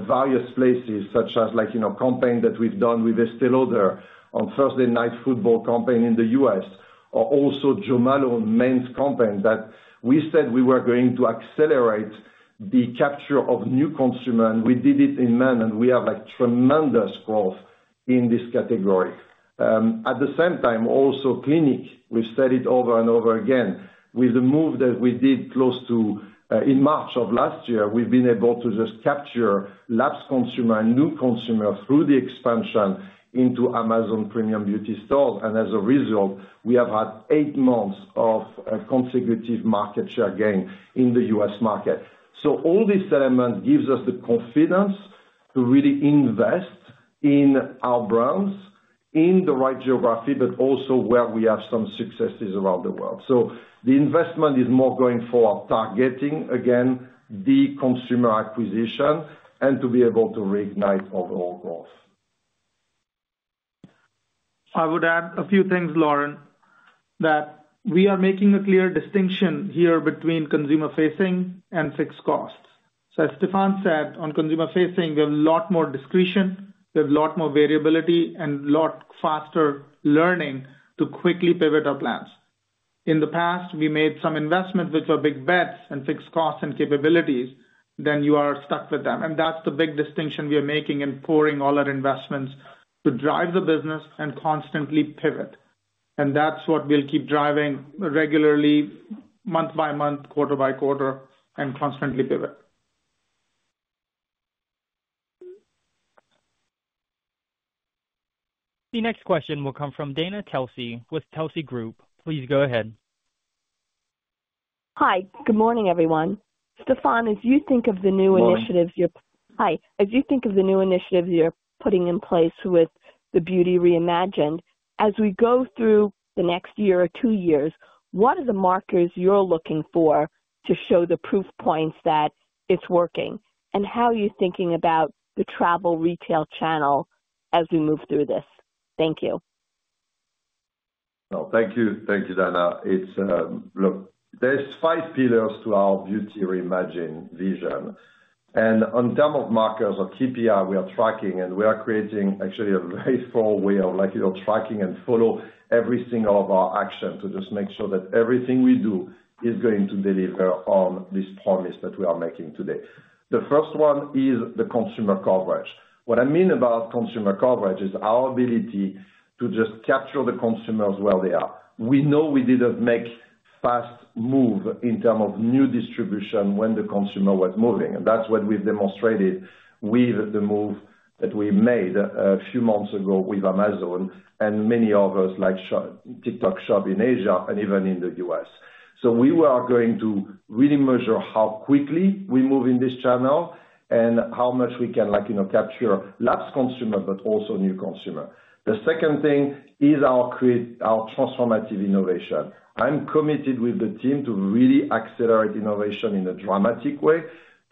[SPEAKER 3] various places, such as a campaign that we've done with Estée Lauder on Thursday Night Football campaign in the U.S., or also Jo Malone men's campaign that we said we were going to accelerate the capture of new consumer. And we did it in men, and we have tremendous growth in this category. At the same time, also Clinique, we've said it over and over again, with the move that we did close to in March of last year, we've been able to just capture lapsed consumer and new consumer through the expansion into Amazon Premium Beauty stores. And as a result, we have had eight months of consecutive market share gain in the U.S. market. So all this element gives us the confidence to really invest in our brands in the right geography, but also where we have some successes around the world. So the investment is more going for targeting, again, the consumer acquisition and to be able to reignite overall growth.
[SPEAKER 4] I would add a few things, Lauren, that we are making a clear distinction here between consumer-facing and fixed costs. So as Stéphane said, on consumer-facing, we have a lot more discretion, we have a lot more variability, and a lot faster learning to quickly pivot our plans. In the past, we made some investments which were big bets and fixed costs and capabilities, then you are stuck with them. And that's the big distinction we are making and pouring all our investments to drive the business and constantly pivot. And that's what we'll keep driving regularly, month by month, quarter by quarter, and constantly pivot.
[SPEAKER 1] The next question will come from Dana Telsey with Telsey Advisory Group. Please go ahead.
[SPEAKER 7] Hi. Good morning, everyone. Stéphane, as you think of the new initiatives you're, hi. As you think of the new initiatives you're putting in place with the Beauty Reimagined, as we go through the next year or two years, what are the markers you're looking for to show the proof points that it's working? And how are you thinking about the travel retail channel as we move through this? Thank you.
[SPEAKER 3] Thank you. Thank you, Dana. Look, there are five pillars to our Beauty Reimagined vision. And in terms of markers or KPI we are tracking, and we are creating actually a very thorough way of tracking and follow every single of our actions to just make sure that everything we do is going to deliver on this promise that we are making today. The first one is the consumer coverage. What I mean by consumer coverage is our ability to just capture the consumers where they are. We know we didn't make fast moves in terms of new distribution when the consumer was moving. And that's what we've demonstrated with the move that we made a few months ago with Amazon and many others like TikTok Shop in Asia and even in the U.S. So we were going to really measure how quickly we move in this channel and how much we can capture lapsed consumer, but also new consumer. The second thing is our transformative innovation. I'm committed with the team to really accelerate innovation in a dramatic way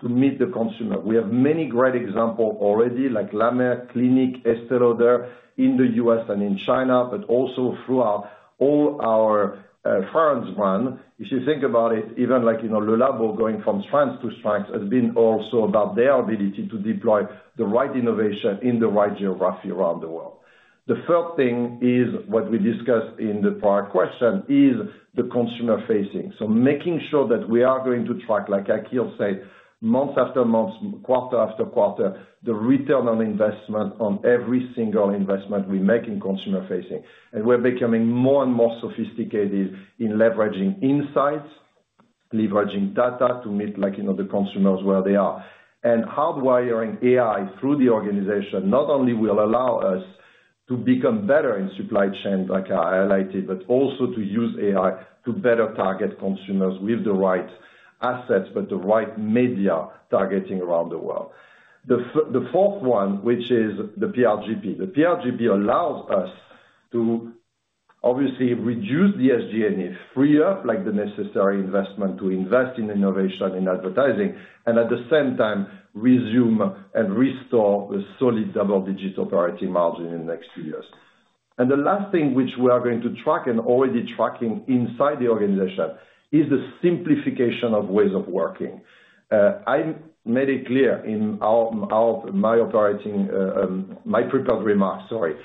[SPEAKER 3] to meet the consumer. We have many great examples already like La Mer, Clinique, Estée Lauder in the U.S. and in China, but also throughout all our fragrance brands. If you think about it, even Le Labo going from strength to strength has been also about their ability to deploy the right innovation in the right geography around the world. The third thing is what we discussed in the prior question is the consumer-facing. So making sure that we are going to track, like Akhil said, month after month, quarter after quarter, the return on investment on every single investment we make in consumer-facing. And we're becoming more and more sophisticated in leveraging insights, leveraging data to meet the consumers where they are. And hardwiring AI through the organization not only will allow us to become better in supply chain like I highlighted, but also to use AI to better target consumers with the right assets, but the right media targeting around the world. The fourth one, which is the PRGP. The PRGP allows us to obviously reduce the SG&A, free up the necessary investment to invest in innovation and advertising, and at the same time, resume and restore the solid double-digit operating margin in the next few years, and the last thing which we are going to track and already tracking inside the organization is the simplification of ways of working. I made it clear in my prepared remarks, sorry.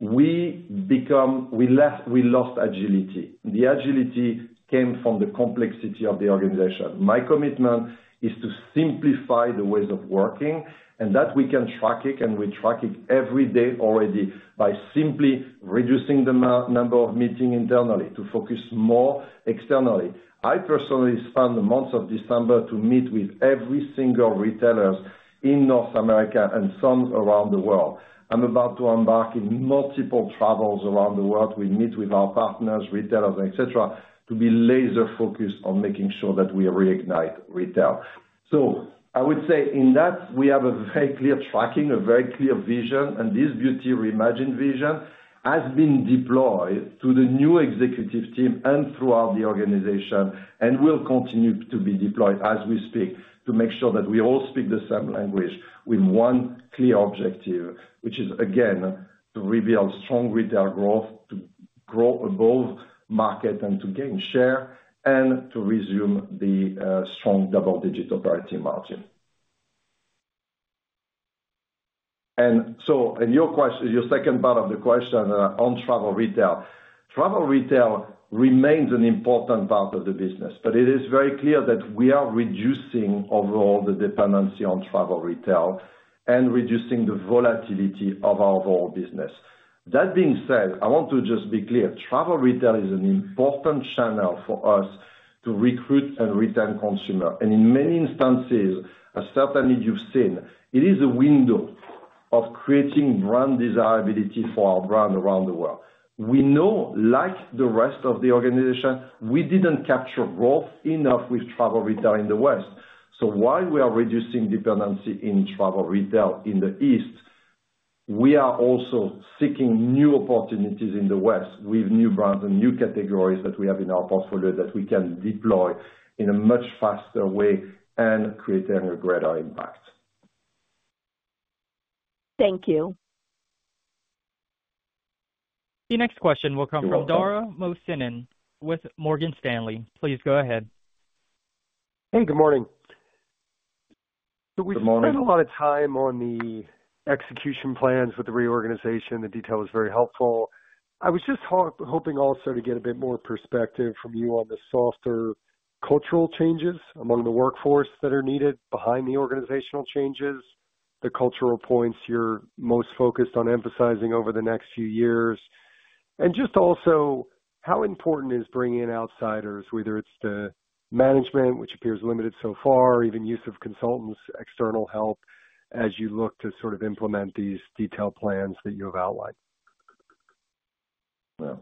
[SPEAKER 3] We lost agility. The agility came from the complexity of the organization. My commitment is to simplify the ways of working and that we can track it, and we track it every day already by simply reducing the number of meetings internally to focus more externally. I personally spent the month of December to meet with every single retailer in North America and some around the world. I'm about to embark in multiple travels around the world. We meet with our partners, retailers, etc., to be laser-focused on making sure that we reignite retail, so I would say in that, we have a very clear tracking, a very clear vision, and this Beauty Reimagined vision has been deployed to the new executive team and throughout the organization and will continue to be deployed as we speak to make sure that we all speak the same language with one clear objective, which is, again, to rebuild strong retail growth, to grow above market and to gain share, and to resume the strong double-digit operating margin, and your second part of the question on Travel Retail. Travel Retail remains an important part of the business, but it is very clear that we are reducing overall the dependency on Travel Retail and reducing the volatility of our overall business. That being said, I want to just be clear. Travel Retail is an important channel for us to recruit and retain consumers, and in many instances, as certainly you've seen, it is a window of creating brand desirability for our brand around the world. We know, like the rest of the organization, we didn't capture growth enough with Travel Retail in the West, so while we are reducing dependency in Travel Retail in the East, we are also seeking new opportunities in the West with new brands and new categories that we have in our portfolio that we can deploy in a much faster way and create a greater impact.
[SPEAKER 1] Thank you. The next question will come from Dara Mohsenian with Morgan Stanley. Please go ahead.
[SPEAKER 8] Hey, good morning.
[SPEAKER 3] Good morning.
[SPEAKER 8] We spent a lot of time on the execution plans with the reorganization. The detail was very helpful. I was just hoping also to get a bit more perspective from you on the softer cultural changes among the workforce that are needed behind the organizational changes, the cultural points you're most focused on emphasizing over the next few years. And just also how important is bringing in outsiders, whether it's the management, which appears limited so far, even use of consultants, external help as you look to sort of implement these detailed plans that you have outlined?
[SPEAKER 3] Well,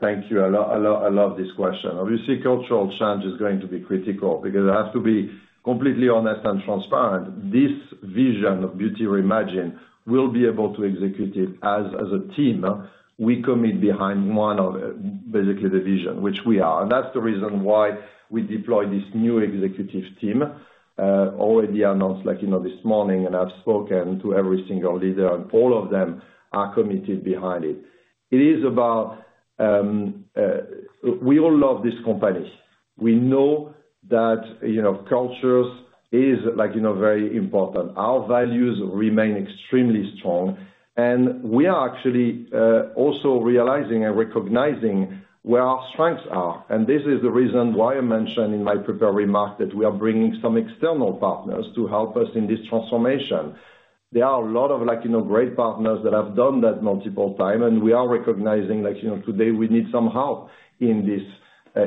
[SPEAKER 3] thank you. I love this question. Obviously, cultural change is going to be critical because I have to be completely honest and transparent. This vision of Beauty Reimagined will be able to execute it as a team. We commit behind one of basically the vision, which we are. That's the reason why we deploy this new executive team already announced this morning, and I've spoken to every single leader, and all of them are committed behind it. It is about we all love this company. We know that culture is very important. Our values remain extremely strong, and we are actually also realizing and recognizing where our strengths are. This is the reason why I mentioned in my prepared remark that we are bringing some external partners to help us in this transformation. There are a lot of great partners that have done that multiple times, and we are recognizing today we need some help in this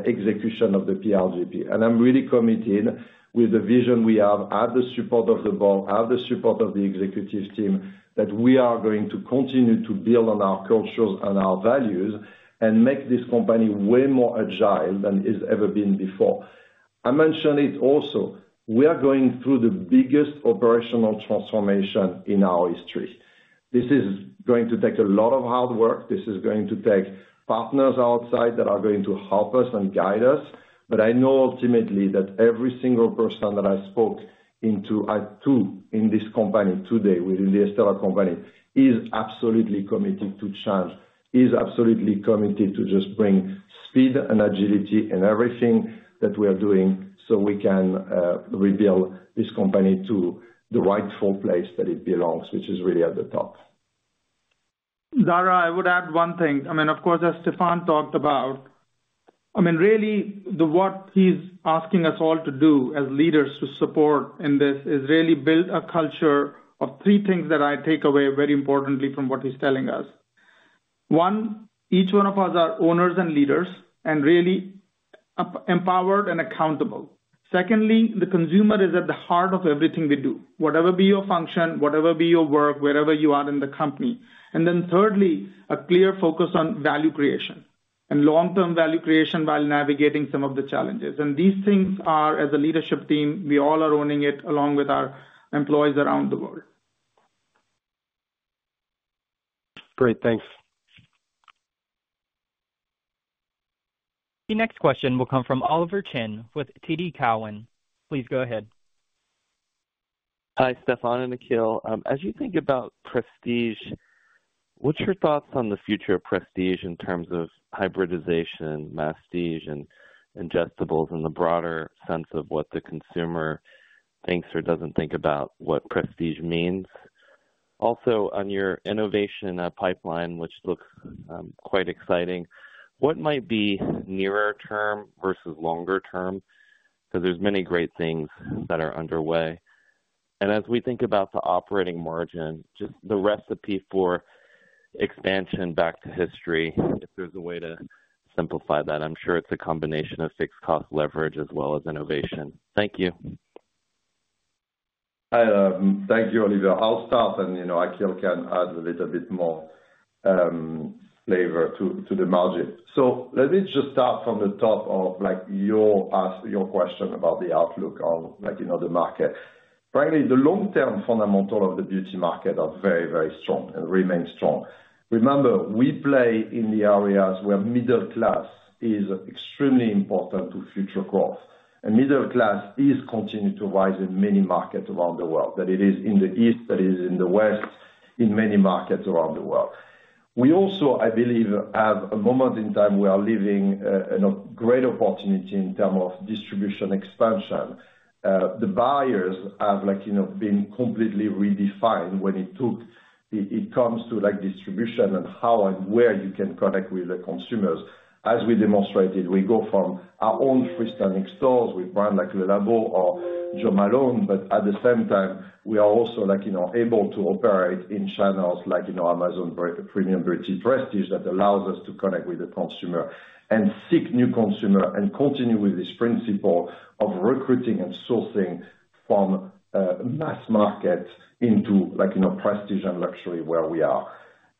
[SPEAKER 3] execution of the PRGP. I'm really committed with the vision we have with the support of the board, with the support of the executive team, that we are going to continue to build on our cultures and our values and make this company way more agile than it's ever been before. I mentioned it also. We are going through the biggest operational transformation in our history. This is going to take a lot of hard work. This is going to take partners outside that are going to help us and guide us. But I know ultimately that every single person that I spoke to today in this company within the Estée Lauder company is absolutely committed to change, is absolutely committed to just bring speed and agility and everything that we are doing so we can rebuild this company to the rightful place that it belongs, which is really at the top.
[SPEAKER 4] Dara, I would add one thing. I mean, of course, as Stéphane talked about, I mean, really what he's asking us all to do as leaders to support in this is really build a culture of three things that I take away very importantly from what he's telling us. One, each one of us are owners and leaders and really empowered and accountable. Secondly, the consumer is at the heart of everything we do, whatever be your function, whatever be your work, wherever you are in the company. And then thirdly, a clear focus on value creation and long-term value creation while navigating some of the challenges. And these things are, as a leadership team, we all are owning it along with our employees around the world.
[SPEAKER 8] Great. Thanks.
[SPEAKER 1] The next question will come from Oliver Chen with TD Cowen. Please go ahead.
[SPEAKER 9] Hi, Stéphane and Akhil. As you think about prestige, what's your thoughts on the future of prestige in terms of hybridization, masstige, and ingestibles in the broader sense of what the consumer thinks or doesn't think about what prestige means? Also, on your innovation pipeline, which looks quite exciting, what might be nearer term versus longer term? Because there's many great things that are underway. And as we think about the operating margin, just the recipe for expansion back to history, if there's a way to simplify that, I'm sure it's a combination of fixed cost leverage as well as innovation. Thank you.
[SPEAKER 3] Hi. Thank you, Oliver. I'll start, and Akhil can add a little bit more flavor to the margin. So let me just start from the top of your question about the outlook on the market. Frankly, the long-term fundamentals of the beauty market are very, very strong and remain strong. Remember, we play in the areas where middle class is extremely important to future growth, and middle class is continuing to rise in many markets around the world, that it is in the East, that it is in the West, in many markets around the world. We also, I believe, have a moment in time we are living a great opportunity in terms of distribution expansion. The buyers have been completely redefined when it comes to distribution and how and where you can connect with the consumers. As we demonstrated, we go from our own freestanding stores with brands like Le Labo or Jo Malone, but at the same time, we are also able to operate in channels like Amazon Premium Beauty prestige that allows us to connect with the consumer and seek new consumers and continue with this principle of recruiting and sourcing from mass markets into prestige and luxury where we are,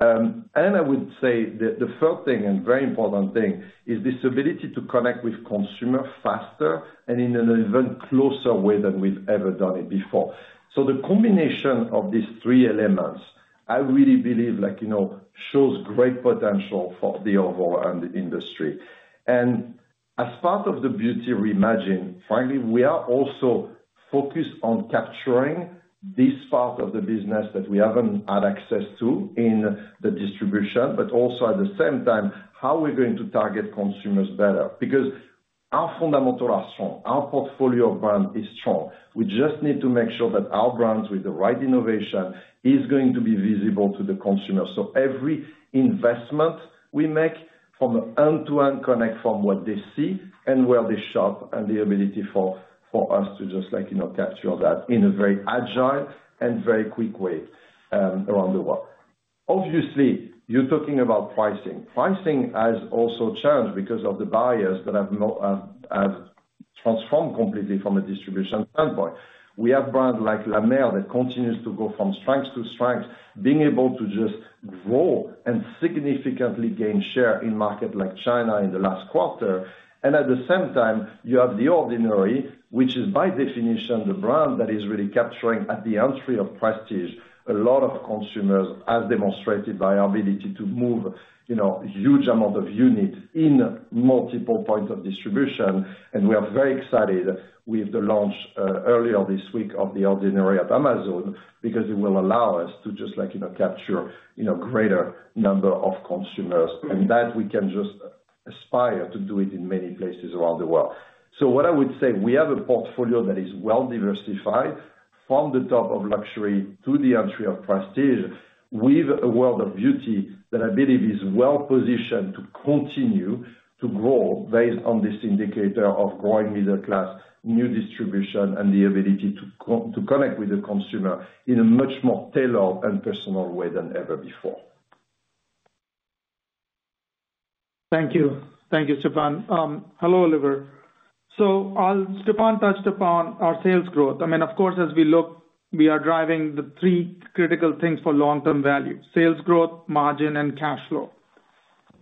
[SPEAKER 3] and I would say the third thing and very important thing is this ability to connect with consumers faster and in an even closer way than we've ever done it before, so the combination of these three elements, I really believe, shows great potential for the overall industry. As part of the Beauty Reimagined, frankly, we are also focused on capturing this part of the business that we haven't had access to in the distribution, but also at the same time, how we're going to target consumers better. Because our fundamentals are strong. Our portfolio of brands is strong. We just need to make sure that our brands with the right innovation are going to be visible to the consumers. Every investment we make from an end-to-end connect from what they see and where they shop and the ability for us to just capture that in a very agile and very quick way around the world. Obviously, you're talking about pricing. Pricing has also changed because of the buyers that have transformed completely from a distribution standpoint. We have brands like La Mer that continue to go from strength to strength, being able to just grow and significantly gain share in markets like China in the last quarter. And at the same time, you have The Ordinary, which is by definition the brand that is really capturing at the entry of prestige a lot of consumers, as demonstrated by our ability to move huge amounts of units in multiple points of distribution. And we are very excited with the launch earlier this week of The Ordinary at Amazon because it will allow us to just capture a greater number of consumers. And that we can just aspire to do it in many places around the world. What I would say, we have a portfolio that is well-diversified from the top of luxury to the entry of prestige with a world of beauty that I believe is well-positioned to continue to grow based on this indicator of growing middle class, new distribution, and the ability to connect with the consumer in a much more tailored and personal way than ever before. Thank you.
[SPEAKER 4] Thank you, Stéphane. Hello, Oliver. So Stéphane touched upon our sales growth. I mean, of course, as we look, we are driving the three critical things for long-term value: sales growth, margin, and cash flow.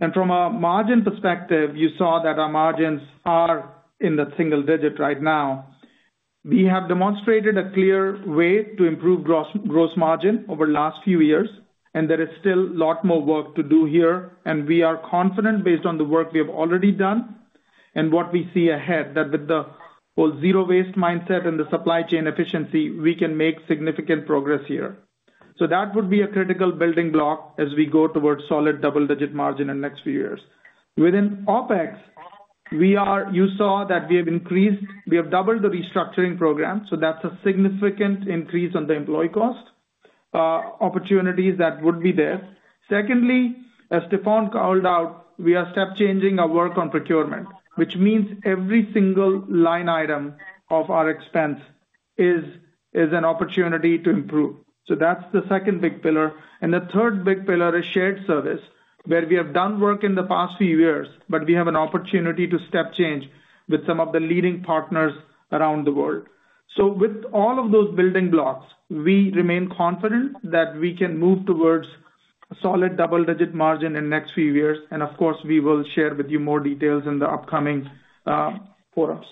[SPEAKER 4] And from a margin perspective, you saw that our margins are in the single digit right now. We have demonstrated a clear way to improve gross margin over the last few years, and there is still a lot more work to do here. And we are confident based on the work we have already done and what we see ahead that with the whole zero-waste mindset and the supply chain efficiency, we can make significant progress here. So that would be a critical building block as we go towards solid double-digit margin in the next few years. Within OpEx, you saw that we have increased. We have doubled the restructuring program. So that's a significant increase on the employee cost opportunities that would be there. Secondly, as Stéphane called out, we are step-changing our work on procurement, which means every single line item of our expense is an opportunity to improve. So that's the second big pillar. And the third big pillar is shared service, where we have done work in the past few years, but we have an opportunity to step-change with some of the leading partners around the world. So with all of those building blocks, we remain confident that we can move towards solid double-digit margin in the next few years. And of course, we will share with you more details in the upcoming forums.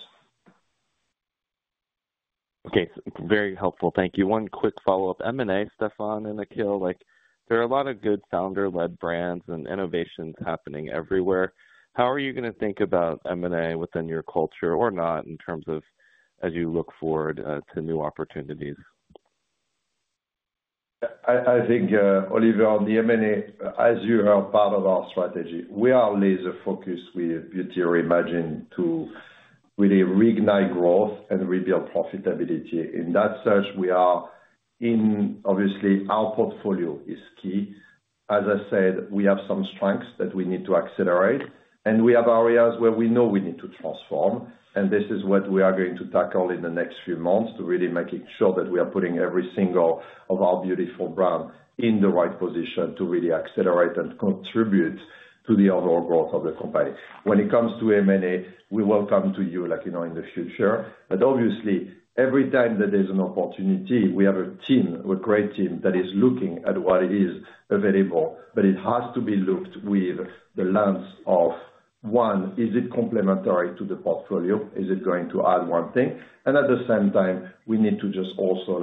[SPEAKER 9] Okay. Very helpful. Thank you. One quick follow-up. M&A, Stéphane and Akhil, there are a lot of good founder-led brands and innovations happening everywhere. How are you going to think about M&A within your culture or not in terms of as you look forward to new opportunities?
[SPEAKER 3] I think, Oliver, the M&A, as you heard, part of our strategy. We are laser-focused with Beauty Reimagined to really reignite growth and rebuild profitability. In that search, we are in obviously our portfolio is key. As I said, we have some strengths that we need to accelerate, and we have areas where we know we need to transform. This is what we are going to tackle in the next few months to really make sure that we are putting every single of our beautiful brand in the right position to really accelerate and contribute to the overall growth of the company. When it comes to M&A, we'll come to you in the future. But obviously, every time that there's an opportunity, we have a team, a great team that is looking at what is available, but it has to be looked with the lens of, one, is it complementary to the portfolio? Is it going to add one thing? And at the same time, we need to just also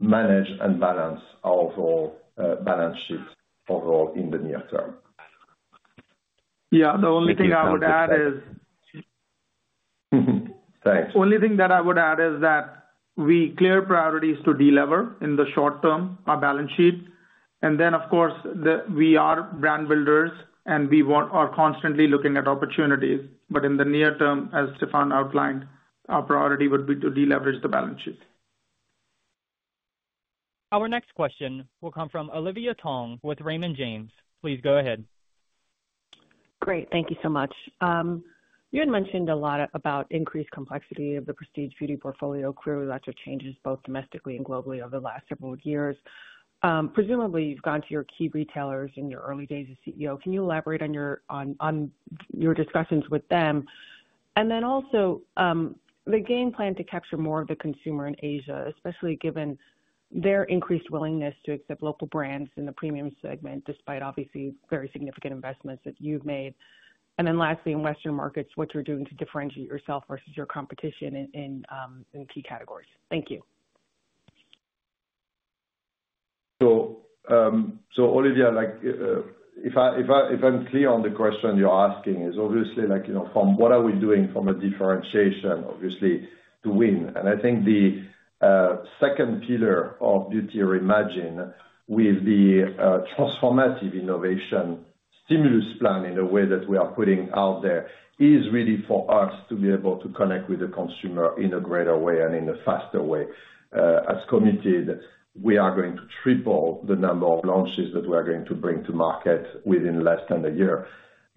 [SPEAKER 3] manage and balance our overall balance sheet overall inthe near term.
[SPEAKER 4] Yeah. The only thing I would add is. Thanks. The only thing that I would add is that we have clear priorities to deliver in the short term on our balance sheet. And then, of course, we are brand builders, and we are constantly looking at opportunities. But in the near term, as Stéphane outlined, our priority would be to deleverage the balance sheet.
[SPEAKER 1] Our next question will come from Olivia Tong with Raymond James. Please go ahead.
[SPEAKER 10] Great. Thank you so much. You had mentioned a lot about increased complexity of the prestige Beauty portfolio, clearly lots of changes both domestically and globally over the last several years. Presumably, you've gone to your key retailers in your early days as CEO. Can you elaborate on your discussions with them? And then also the game plan to capture more of the consumer in Asia, especially given their increased willingness to accept local brands in the premium segment despite obviously very significant investments that you've made. And then lastly, in Western markets, what you're doing to differentiate yourself versus your competition in key categories.
[SPEAKER 3] Thank you. Oliver, if I'm clear on the question you're asking, it's obviously from what are we doing from a differentiation, obviously, to win. I think the second pillar of Beauty Reimagined with the transformative innovation stimulus plan in a way that we are putting out there is really for us to be able to connect with the consumer in a greater way and in a faster way. As committed, we are going to triple the number of launches that we are going to bring to market within less than a year.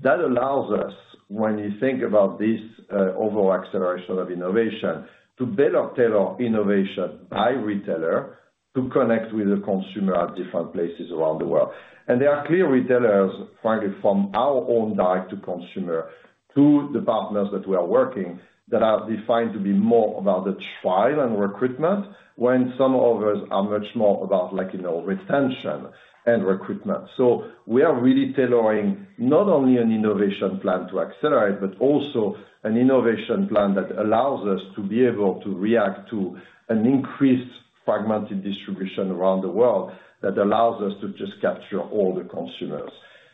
[SPEAKER 3] That allows us, when you think about this overall acceleration of innovation, to better tailor innovation by retailer to connect with the consumer at different places around the world. And there are clear retailers, frankly, from our own direct-to-consumer to the partners that we are working that are defined to be more about the trial and recruitment when some of us are much more about retention and recruitment. So we are really tailoring not only an innovation plan to accelerate, but also an innovation plan that allows us to be able to react to an increased fragmented distribution around the world that allows us to just capture all the consumers.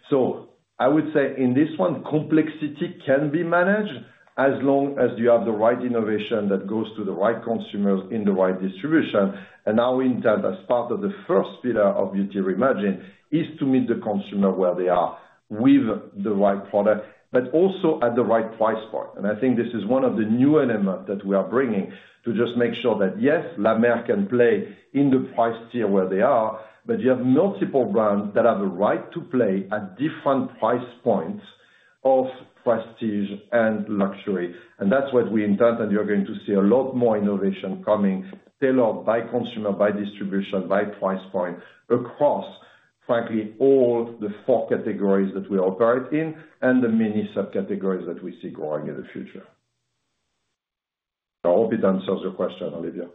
[SPEAKER 3] So I would say in this one, complexity can be managed as long as you have the right innovation that goes to the right consumers in the right distribution. Our intent as part of the first pillar of Beauty Reimagined is to meet the consumer where they are with the right product, but also at the right price point. And I think this is one of the new elements that we are bringing to just make sure that, yes, La Mer can play in the price tier where they are, but you have multiple brands that have a right to play at different price points of prestige and luxury. And that's what we intend, and you're going to see a lot more innovation coming tailored by consumer, by distribution, by price point across, frankly, all the four categories that we operate in and the mini subcategories that we see growing in the future. I hope it answers your question, Oliver.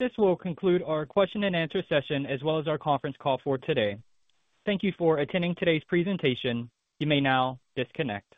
[SPEAKER 1] This will conclude our question-and-answer session as well as our conference call for today. Thank you for attending today's presentation. You may now disconnect.